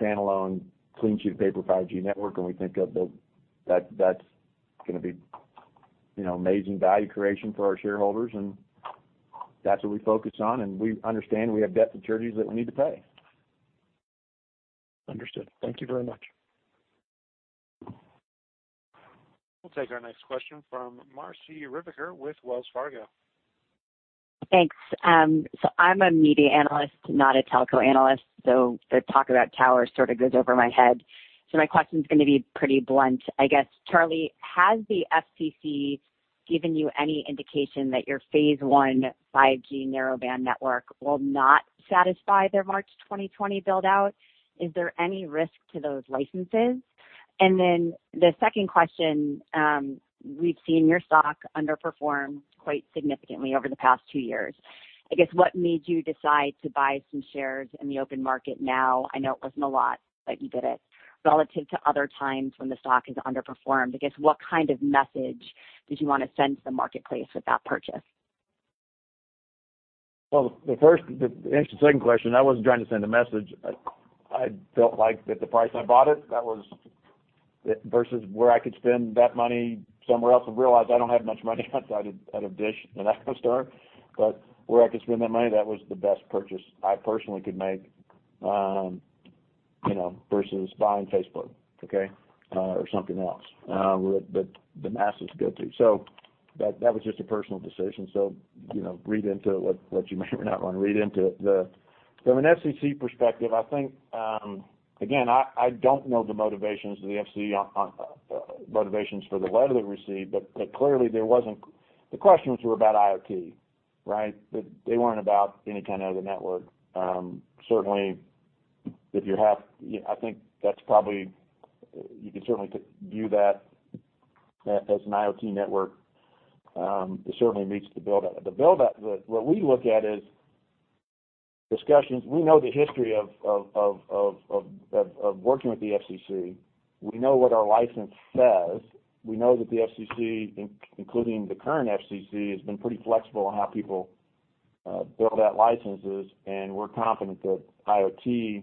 standalone clean sheet of paper 5G network. We think that's gonna be, you know, amazing value creation for our shareholders, and that's what we focus on, and we understand we have debt maturities that we need to pay. Understood. Thank you very much. We'll take our next question from Marci Ryvicker with Wells Fargo. Thanks. I'm a media analyst, not a telco analyst, so the talk about towers sort of goes over my head. My question's gonna be pretty blunt. I guess, Charlie, has the FCC given you any indication that your phase I 5G Narrowband network will not satisfy their March 2020 build-out? Is there any risk to those licenses? The second question, we've seen your stock underperform quite significantly over the past two years. I guess what made you decide to buy some shares in the open market now? I know it wasn't a lot, but you did it. Relative to other times when the stock has underperformed, I guess what kind of message did you wanna send to the marketplace with that purchase? Well, to answer the second question, I wasn't trying to send a message. I felt like that the price I bought it, versus where I could spend that money somewhere else and realize I don't have much money outside of, out of DISH and EchoStar. Where I could spend that money, that was the best purchase I personally could make, you know, versus buying Facebook, okay? Something else that the masses go to. That was just a personal decision, you know, read into it what you may or may not want to read into it. From an FCC perspective, I think, again, I don't know the motivations of the FC on motivations for the letter that we received, but clearly there wasn't. The questions were about IoT, right? They weren't about any kind of other network. Certainly I think that's probably, you could certainly view that as an IoT network. It certainly meets the build-out. The build-out, what we look at is discussions. We know the history of working with the FCC. We know what our license says. We know that the FCC, including the current FCC, has been pretty flexible on how people build out licenses, and we're confident that IoT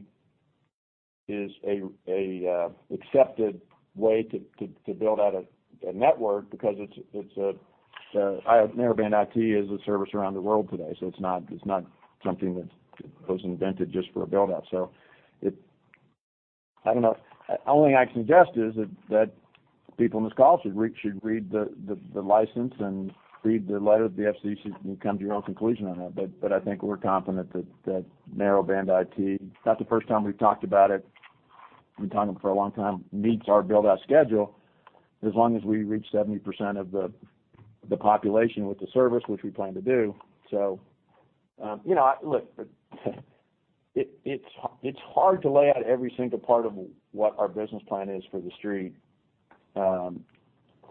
is an accepted way to build out a network because it's a Narrowband IoT is a service around the world today, it's not something that was invented just for a build-out. I don't know. Only thing I can suggest is that people in this call should read the license and read the letter of the FCC and come to your own conclusion on that. I think we're confident that Narrowband IoT, not the first time we've talked about it, we've been talking it for a long time, meets our build-out schedule as long as we reach 70% of the population with the service, which we plan to do. You know, look, it's hard to lay out every single part of what our business plan is for the Street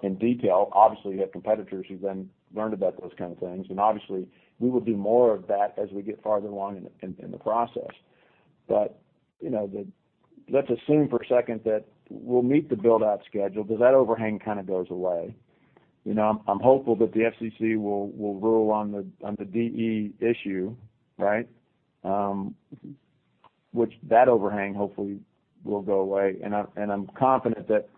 in detail. Obviously, you have competitors who then learn about those kind of things, and obviously, we will do more of that as we get farther along in the process. You know, the let's assume for a second that we'll meet the build-out schedule, does that overhang kind of goes away? You know, I'm hopeful that the FCC will rule on the DE issue, right? Which that overhang hopefully will go away. I, and I'm confident that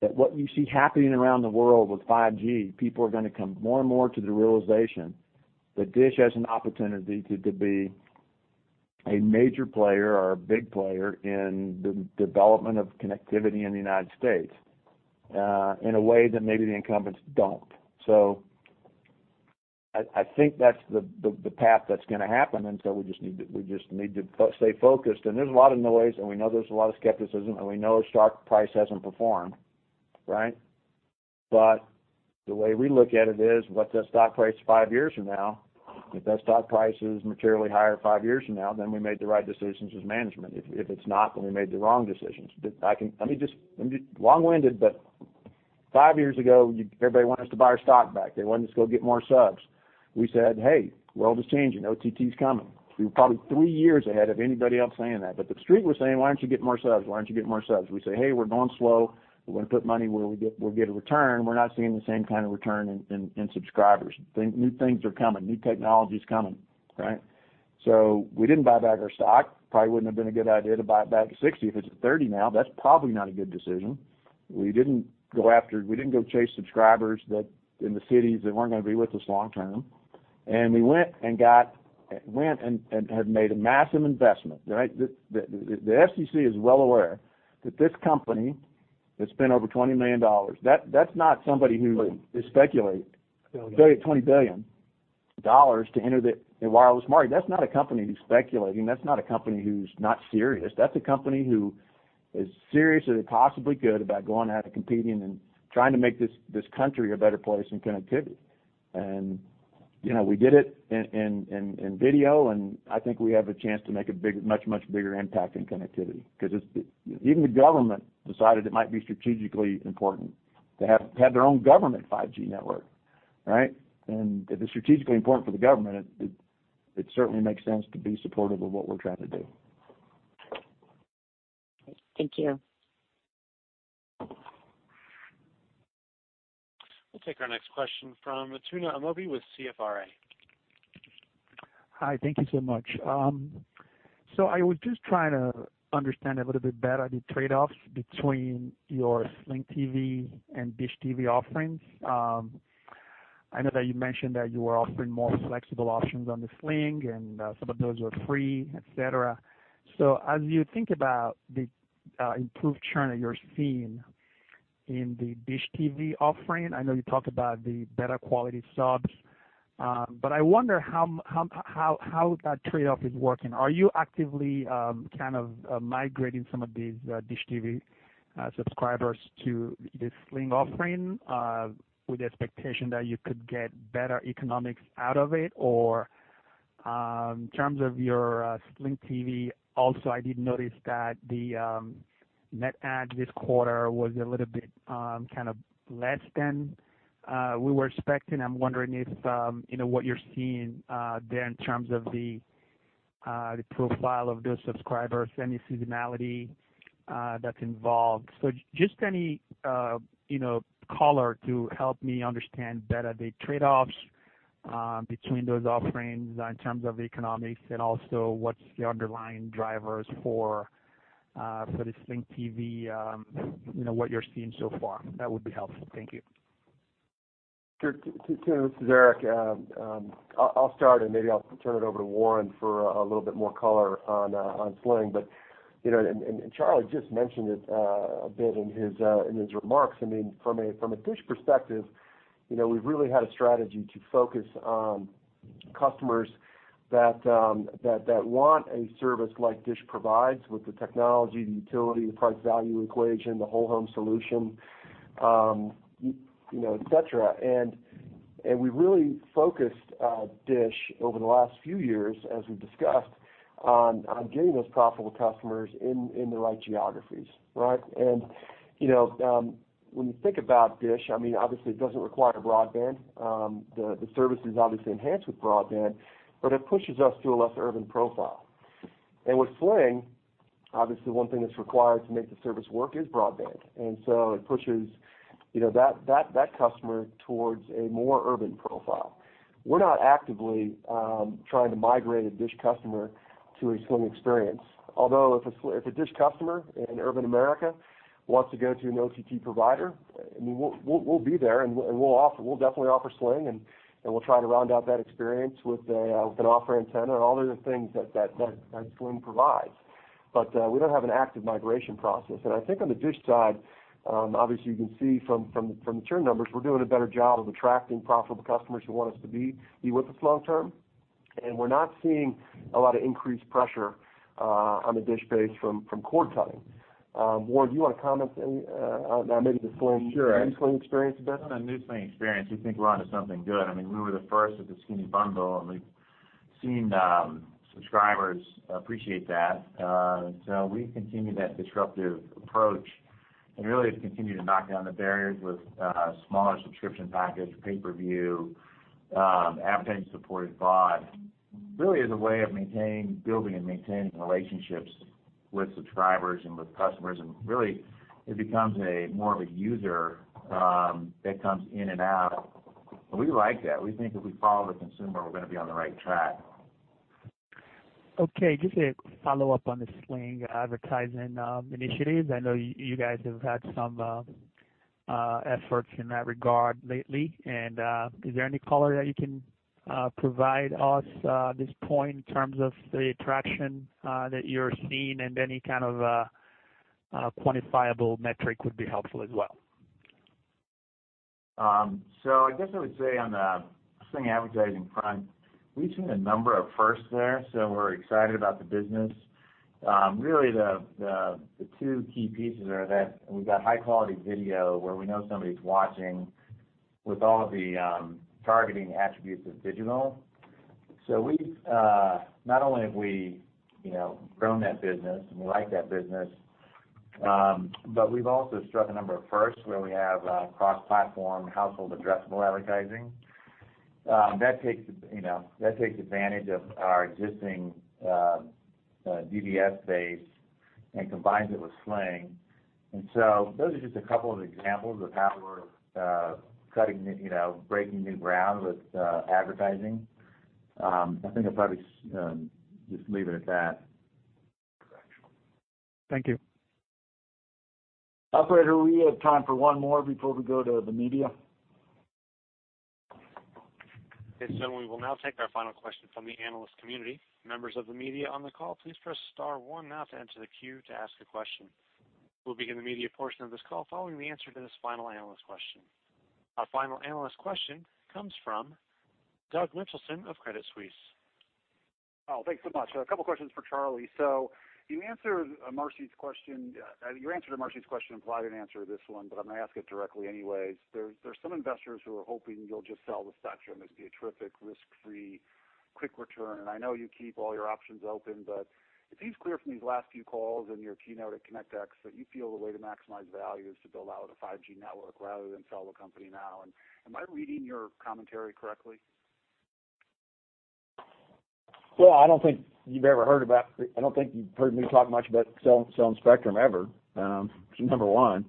what you see happening around the world with 5G, people are gonna come more and more to the realization that DISH has an opportunity to be a major player or a big player in the development of connectivity in the United States, in a way that maybe the incumbents don't. I think that's the path that's gonna happen, and so we just need to stay focused. There's a lot of noise, and we know there's a lot of skepticism, and we know our stock price hasn't performed, right? The way we look at it is, what's that stock price five years from now? If that stock price is materially higher five years from now, then we made the right decisions as management. If it's not, then we made the wrong decisions. Let me just, long-winded, but five years ago, everybody wanted us to buy our stock back. They wanted us to go get more subs. We said, "Hey, world is changing. OTT is coming." We were probably three years ahead of anybody else saying that. The street was saying, "Why don't you get more subs?" We say, "Hey, we're going slow.". We're gonna put money where we'll get a return. We're not seeing the same kind of return in subscribers. New things are coming. New technology is coming, right? We didn't buy back our stock. Probably wouldn't have been a good idea to buy it back at 60. If it's at 30 now, that's probably not a good decision. We didn't go chase subscribers that in the cities that weren't gonna be with us long term. We went and have made a massive investment, right? The FCC is well aware that this company has spent over $20 million. That's not somebody who is speculate. Billions. Sorry, $20 billion to enter the wireless market. That's not a company who's speculating. That's not a company who's not serious. That's a company who is seriously possibly good about going out and competing and trying to make this country a better place in connectivity. You know, we did it in video, and I think we have a chance to make a much, much bigger impact in connectivity. 'Cause even the government decided it might be strategically important to have their own government 5G network, right? If it's strategically important for the government, it certainly makes sense to be supportive of what we're trying to do. Thank you. We'll take our next question from Tuna Amobi with CFRA. Hi, thank you so much. I was just trying to understand a little bit better the trade-offs between your Sling TV and DISH TV offerings. I know that you mentioned that you are offering more flexible options on the Sling and some of those are free, et cetera. As you think about the improved churn that you're seeing in the DISH TV offering, I know you talked about the better quality subs, I wonder how that trade-off is working. Are you actively, kind of, migrating some of these DISH TV subscribers to the Sling offering, with the expectation that you could get better economics out of it? In terms of your Sling TV, also, I did notice that the net add this quarter was a little bit kind of less than we were expecting. I'm wondering if, you know, what you're seeing there in terms of the profile of those subscribers, any seasonality that's involved. Just any, you know, color to help me understand better the trade-offs between those offerings in terms of economics and also what's the underlying drivers for the Sling TV, you know, what you're seeing so far. That would be helpful. Thank you. Sure. Tuna, this is Erik. I'll start and maybe I'll turn it over to Warren for a little bit more color on Sling. You know, Charlie just mentioned it a bit in his remarks. I mean, from a DISH perspective, you know, we've really had a strategy to focus on customers that want a service like DISH provides with the technology, the utility, the price-value equation, the whole home solution, you know, et cetera. We really focused DISH over the last few years, as we've discussed, on getting those profitable customers in the right geographies, right? You know, when you think about DISH, I mean, obviously it doesn't require broadband. The service is obviously enhanced with broadband, but it pushes us to a less urban profile. With Sling, obviously one thing that's required to make the service work is broadband. It pushes, you know, that customer towards a more urban profile. We're not actively trying to migrate a DISH customer to a Sling experience. If a DISH customer in urban America wants to go to an OTT provider, I mean, we'll be there and we'll definitely offer Sling and we'll try to round out that experience with an offer antenna and all the other things that Sling provides. We don't have an active migration process. I think on the DISH side, obviously, you can see from the churn numbers, we're doing a better job of attracting profitable customers who want us to be with us long term. We're not seeing a lot of increased pressure on the DISH base from cord cutting. Warren, do you wanna comment any on maybe the Sling? Sure. The new Sling experience the best? On the new Sling experience, we think we're onto something good. I mean, we were the first with the skinny bundle, and we've seen subscribers appreciate that. We've continued that disruptive approach and really have continued to knock down the barriers with smaller subscription package, pay-per-view, advertising-supported VOD, really as a way of building and maintaining relationships with subscribers and with customers. Really it becomes a more of a user that comes in and out. We like that. We think if we follow the consumer, we're gonna be on the right track. Okay, just a follow-up on the Sling advertising initiatives. I know you guys have had some efforts in that regard lately. Is there any color that you can provide us at this point in terms of the traction that you're seeing and any kind of quantifiable metric would be helpful as well. I guess I would say on the Sling advertising front, we've seen a number of firsts there, so we're excited about the business. Really the two key pieces are that we've got high quality video where we know somebody's watching with all of the targeting attributes of digital. We've not only have we, you know, grown that business and we like that business, but we've also struck a number of firsts where we have cross-platform household addressable advertising. That takes, you know, that takes advantage of our existing DBS base and combines it with Sling. Those are just a couple of examples of how we're cutting, you know, breaking new ground with advertising. I think I'll probably just leave it at that. Thank you. Operator, we have time for one more before we go to the media. We will now take our final question from the analyst community. Members of the media on the call, please press star one now to enter the queue to ask a question. We'll begin the media portion of this call following the answer to this final analyst question. Our final analyst question comes from Doug Mitchelson of Credit Suisse. Oh, thanks so much. A couple questions for Charlie. You answered Marci's question. You answered Marci's question, implied an answer to this one, but I'm gonna ask it directly anyway. There's some investors who are hoping you'll just sell the spectrum. It'd be a terrific risk-free quick return. I know you keep all your options open, but it seems clear from these last few calls and your keynote at Connect X that you feel the way to maximize value is to build out a 5G network rather than sell the company now. Am I reading your commentary correctly? I don't think you've heard me talk much about selling spectrum ever. Number one.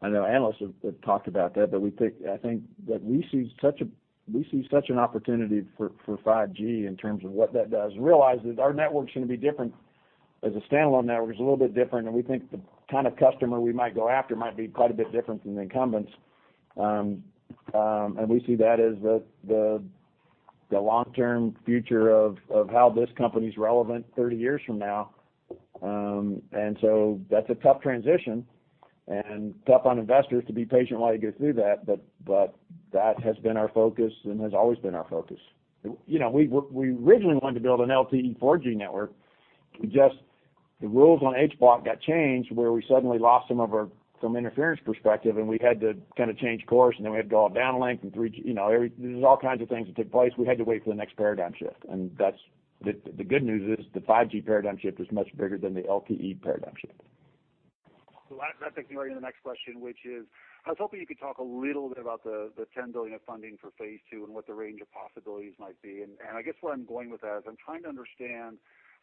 I know analysts have talked about that. I think that we see such an opportunity for 5G in terms of what that does. Realize that our network's going to be different. As a standalone network, it's a little bit different. We think the kind of customer we might go after might be quite a bit different than the incumbents. We see that as the long-term future of how this company's relevant 30 years from now. That's a tough transition and tough on investors to be patient while you go through that, but that has been our focus and has always been our focus. You know, we originally wanted to build an LTE 4G network. The rules on H Block got changed, where we suddenly lost some of our, some interference perspective, and we had to kind of change course, and then we had to go out downlink and 3G, you know, there's all kinds of things that took place. We had to wait for the next paradigm shift. That's the good news, the 5G paradigm shift is much bigger than the LTE paradigm shift. That takes me right into the next question, which is, I was hoping you could talk a little bit about the $10 billion of funding for phase II and what the range of possibilities might be. I guess where I'm going with that is I'm trying to understand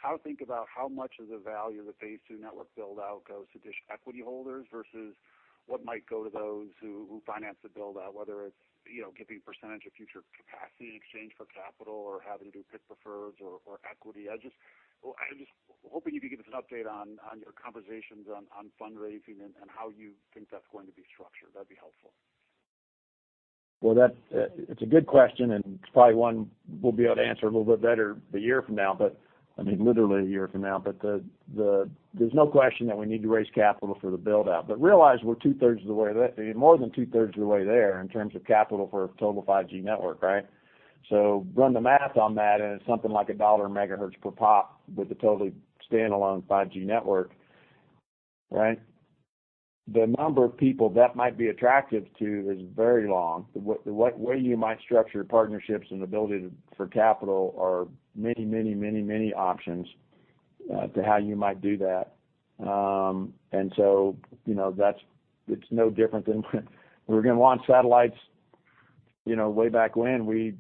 how to think about how much of the value of the phase II network build-out goes to DISH equity holders versus what might go to those who finance the build-out, whether it's, you know, giving percentage of future capacity in exchange for capital or having to do PIK preferreds or equity. Well, I'm just hoping you could give us an update on your conversations on fundraising and how you think that's going to be structured. That'd be helpful. Well, that's, it's a good question, and it's probably one we'll be able to answer a little bit better a year from now, I mean, literally a year from now. There's no question that we need to raise capital for the build-out. Realize we're two-thirds of the way there, more than two-thirds of the way there in terms of capital for a total 5G network, right? Run the math on that, and it's something like a dollar megahertz per pop with a totally standalone 5G network, right? The number of people that might be attractive to is very long. The way you might structure partnerships and the ability to for capital are many options to how you might do that. you know, it's no different than we're gonna launch satellites. You know, way back when we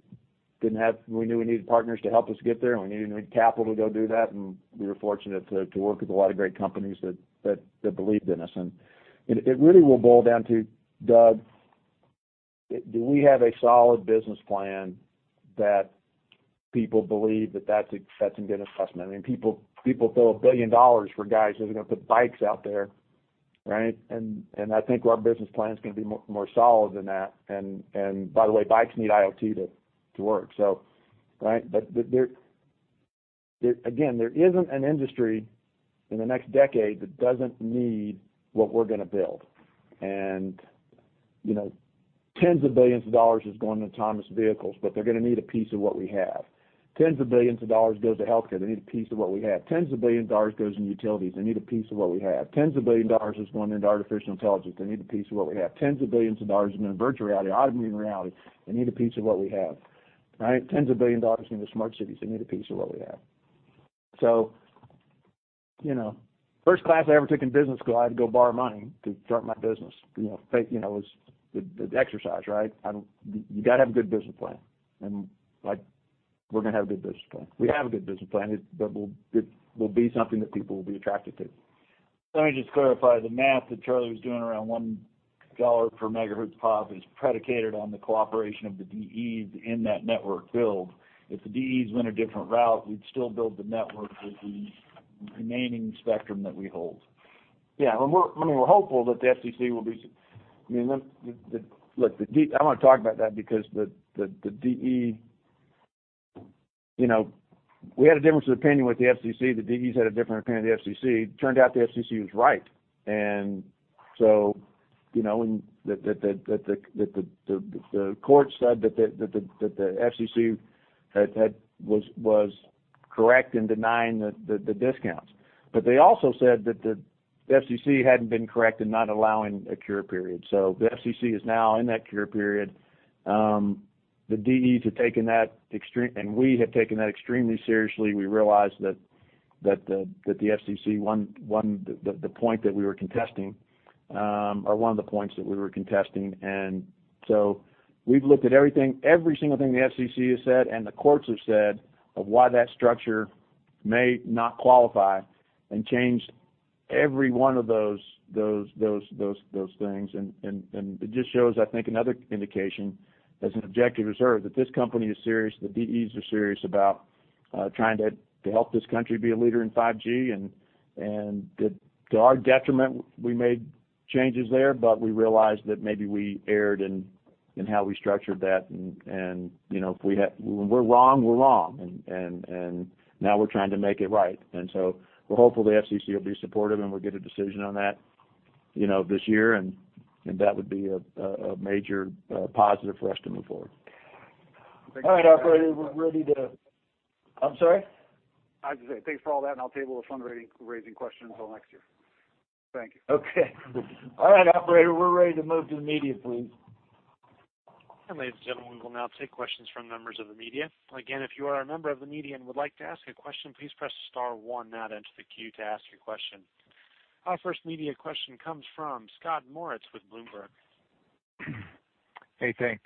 knew we needed partners to help us get there, and we needed new capital to go do that, and we were fortunate to work with a lot of great companies that believed in us. It really will boil down to, Doug, do we have a solid business plan that people believe that that's a good investment? I mean, people throw $1 billion for guys who are gonna put bikes out there, right? I think our business plan is gonna be more solid than that. By the way, bikes need IoT to work. right? Again, there isn't an industry in the next decade that doesn't need what we're gonna build. You know, tens of billions of dollars is going to autonomous vehicles, but they're gonna need a piece of what we have. Tens of billions of dollars goes to healthcare. They need a piece of what we have. Tens of billions of dollars goes into utilities. They need a piece of what we have. Tens of billions of dollars is going into artificial intelligence. They need a piece of what we have. Tens of billions of dollars is going into virtual reality, augmented reality. They need a piece of what we have, right? Tens of billions of dollars is going into smart cities. They need a piece of what we have. You know, first class I ever took in business school, I had to go borrow money to start my business. You know, it was the exercise, right? You gotta have a good business plan. Like, we're gonna have a good business plan. We have a good business plan. It will be something that people will be attracted to. Let me just clarify. The math that Charlie was doing around $1 per megahertz pop is predicated on the cooperation of the DEs in that network build. If the DEs went a different route, we'd still build the network with the remaining spectrum that we hold. Yeah. We're hopeful that the FCC will be I want to talk about that because the DE, you know, we had a difference of opinion with the FCC, the DEs had a different opinion with the FCC. Turned out the FCC was right. You know, and the court said that the FCC was correct in denying the discounts. They also said that the FCC hadn't been correct in not allowing a cure period. The FCC is now in that cure period. The DEs have taken that extremely seriously. We realize that the, that the FCC won the point that we were contesting, or one of the points that we were contesting. We've looked at everything, every single thing the FCC has said and the courts have said of why that structure may not qualify and changed every one of those things. It just shows, I think, another indication as an objective observer that this company is serious, the DEs are serious about trying to help this country be a leader in 5G. To our detriment, we made changes there, but we realized that maybe we erred in how we structured that. You know, when we're wrong, we're wrong, and now we're trying to make it right. We're hopeful the FCC will be supportive, and we'll get a decision on that, you know, this year, and that would be a major positive for us to move forward. I think. All right, operator, we're ready to. I'm sorry? I was going to say thanks for all that, and I'll table the raising question until next year. Thank you. Okay. All right, operator, we're ready to move to the media, please. Ladies and gentlemen, we will now take questions from members of the media. If you are a member of the media and would like to ask a question, please press star one, that enters the queue to ask your question. Our first media question comes from Scott Moritz with Bloomberg. Hey, thanks.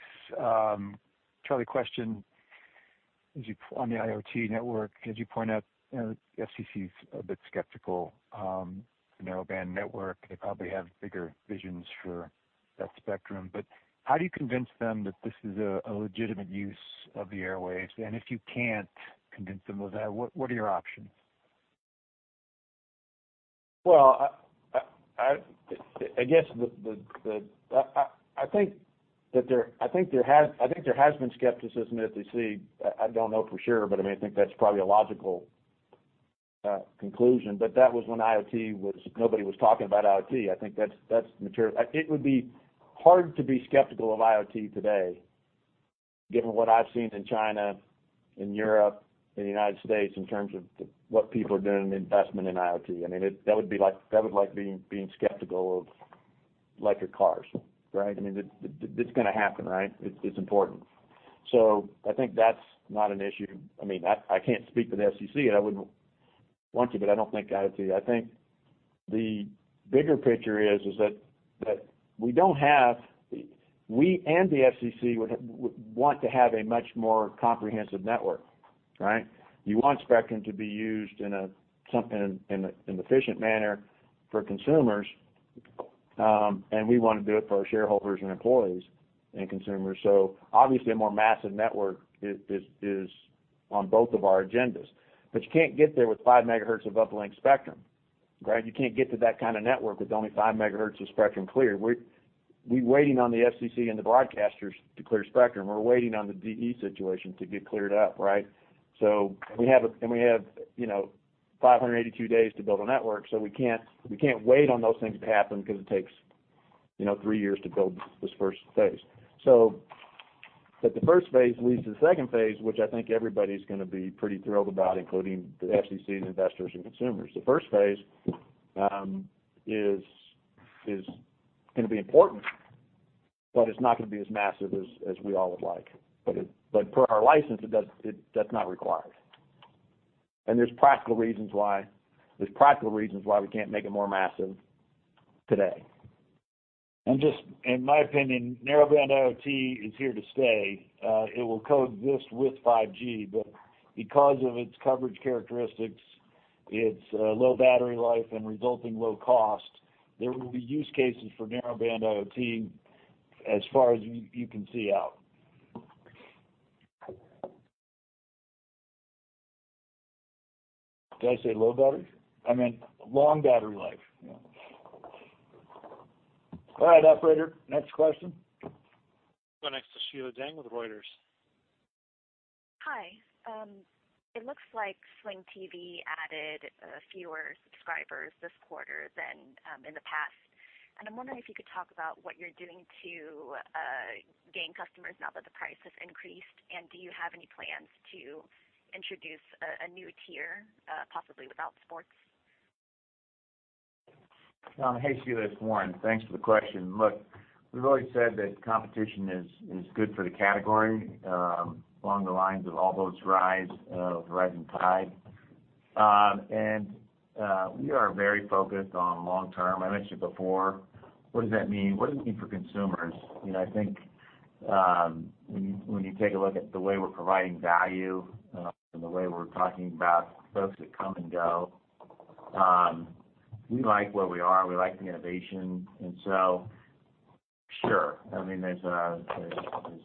Charlie, question, on the IoT network, as you point out, you know, FCC is a bit skeptical, the Narrowband network, they probably have bigger visions for that spectrum. How do you convince them that this is a legitimate use of the airwaves? If you can't convince them of that, what are your options? Well, I guess the I think there has been skepticism at the FCC. I don't know for sure, but I mean, I think that's probably a logical conclusion. That was when IoT was nobody was talking about IoT. I think that's mature. It would be hard to be skeptical of IoT today given what I've seen in China, in Europe, in the United States, in terms of the, what people are doing in investment in IoT. I mean, that would be like being skeptical of electric cars, right. I mean, it's gonna happen, right. It's important. I think that's not an issue. I mean, I can't speak for the FCC, and I wouldn't want to, but I don't think IoT. I think the bigger picture is that we and the FCC would want to have a much more comprehensive network, right? You want spectrum to be used in an efficient manner for consumers, and we wanna do it for our shareholders and employees and consumers. Obviously a more massive network is on both of our agendas. You can't get there with 5 MHz of uplink spectrum, right? You can't get to that kind of network with only 5 Mhz of spectrum cleared. We're waiting on the FCC and the broadcasters to clear spectrum. We're waiting on the DE situation to get cleared up, right? We have, you know, 582 days to build a network, we can't wait on those things to happen because it takes, you know, three years to build this first phase. The first phase leads to the second phase, which I think everybody's gonna be pretty thrilled about, including the FCC and investors and consumers. The first phase is gonna be important, but it's not gonna be as massive as we all would like. Per our license, it, that's not required. There's practical reasons why we can't make it more massive today. Just in my opinion, Narrowband IoT is here to stay. It will coexist with 5G, but because of its coverage characteristics, its low battery life and resulting low cost, there will be use cases for Narrowband IoT as far as you can see out. Did I say low battery? I meant long battery life, you know. All right, operator, next question. Go next to Sheila Dang with Reuters. Hi. It looks like Sling TV added a fewer subscribers this quarter than in the past. I'm wondering if you could talk about what you're doing to gain customers now that the price has increased. Do you have any plans to introduce a new tier, possibly without sports? Hey, Sheila, it's Warren. Thanks for the question. We've always said that competition is good for the category, along the lines of all boats rise of rising tide. We are very focused on long term. I mentioned before, what does that mean? What does it mean for consumers? You know, I think, when you take a look at the way we're providing value, and the way we're talking about folks that come and go, we like where we are, we like the innovation. Sure. I mean, there's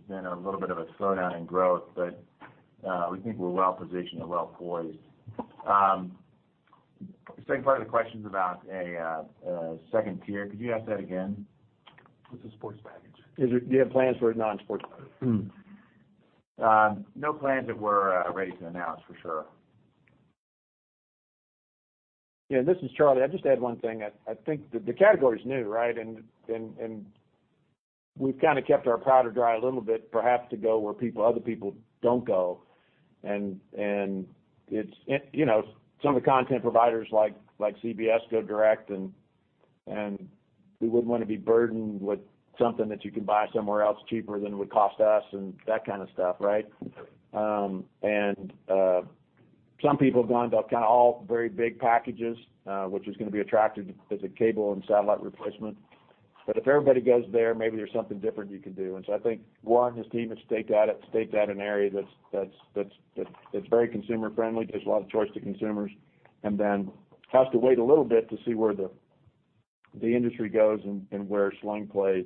been a little bit of a slowdown in growth, we think we're well positioned and well poised. Second part of the question's about a second tier. Could you ask that again? It's a sports package. Do you have plans for a non-sports package? No plans that we're ready to announce, for sure. Yeah, this is Charlie. I'll just add one thing. I think the category is new, right? We've kind of kept our powder dry a little bit, perhaps to go where other people don't go. It's, you know, some of the content providers like CBS go direct, and we wouldn't want to be burdened with something that you can buy somewhere else cheaper than it would cost us and that kind of stuff, right? Some people have gone to kind of all very big packages, which is going to be attractive as a cable and satellite replacement. If everybody goes there, maybe there's something different you could do. I think Warren and his team have staked out an area that's very consumer friendly, gives a lot of choice to consumers, and then has to wait a little bit to see where the industry goes and where Sling plays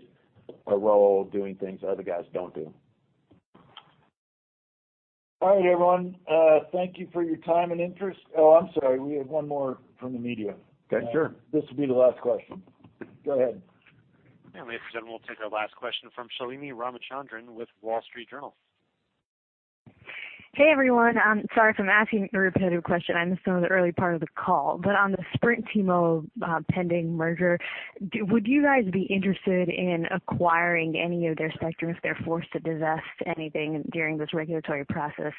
a role doing things other guys don't do. All right, everyone, thank you for your time and interest. Oh, I'm sorry. We have one more from the media. Okay, sure. This will be the last question. Go ahead. Ladies and gentlemen, we'll take our last question from Shalini Ramachandran with Wall Street Journal. Hey, everyone. I'm sorry if I'm asking a repetitive question. I missed some of the early part of the call. On the Sprint T-Mo pending merger, would you guys be interested in acquiring any of their spectrum if they're forced to divest anything during this regulatory process?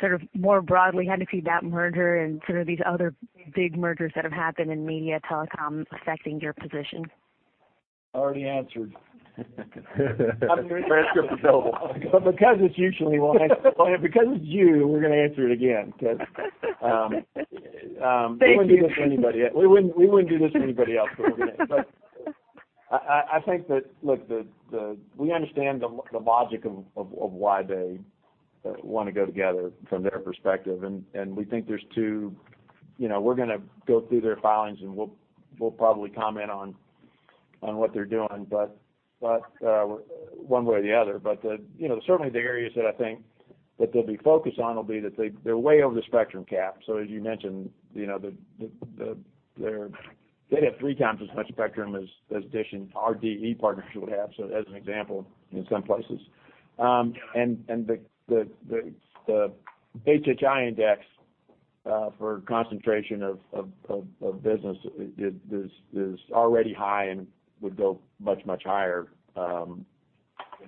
Sort of more broadly, how do you see that merger and sort of these other big mergers that have happened in media telecom affecting your position? Already answered. Transcript available. Because it's usually Warren, because it's you, we're gonna answer it again 'cause. Thank you. We wouldn't do this to anybody else. We wouldn't do this to anybody else, we're gonna. I think that, look, we understand the logic of why they wanna go together from their perspective. We think there's two, you know, we're gonna go through their filings, and we'll probably comment on what they're doing, but one way or the other. You know, certainly the areas that I think that they'll be focused on will be that they're way over the spectrum cap. As you mentioned, you know, the, they'd have 3x as much spectrum as DISH and our DE partnership would have, as an example, in some places. The HHI index, for concentration of business is already high and would go much higher.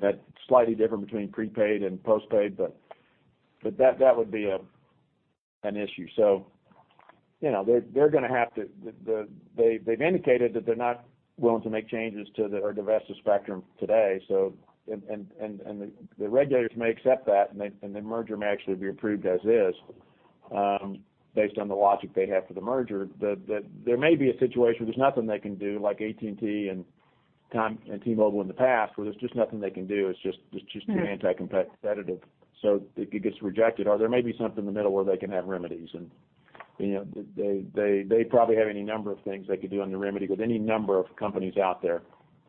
That's slightly different between prepaid and postpaid, but that would be an issue. You know, they've indicated that they're not willing to make changes to the, or divest the spectrum today, so. The regulators may accept that, and the merger may actually be approved as is, based on the logic they have for the merger. There may be a situation where there's nothing they can do, like AT&T and Time, and T-Mobile in the past, where there's just nothing they can do. It's just too anti-competitive. It gets rejected. There may be something in the middle where they can have remedies. You know, they probably have any number of things they could do on the remedy with any number of companies out there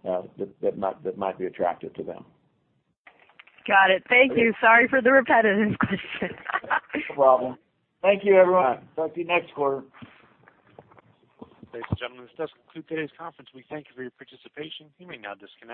that might be attractive to them. Got it. Thank you. Sorry for the repetitive question. No problem. Thank you, everyone. Talk to you next quarter. Ladies and gentlemen, this does conclude today's conference. We thank you for your participation. You may now disconnect.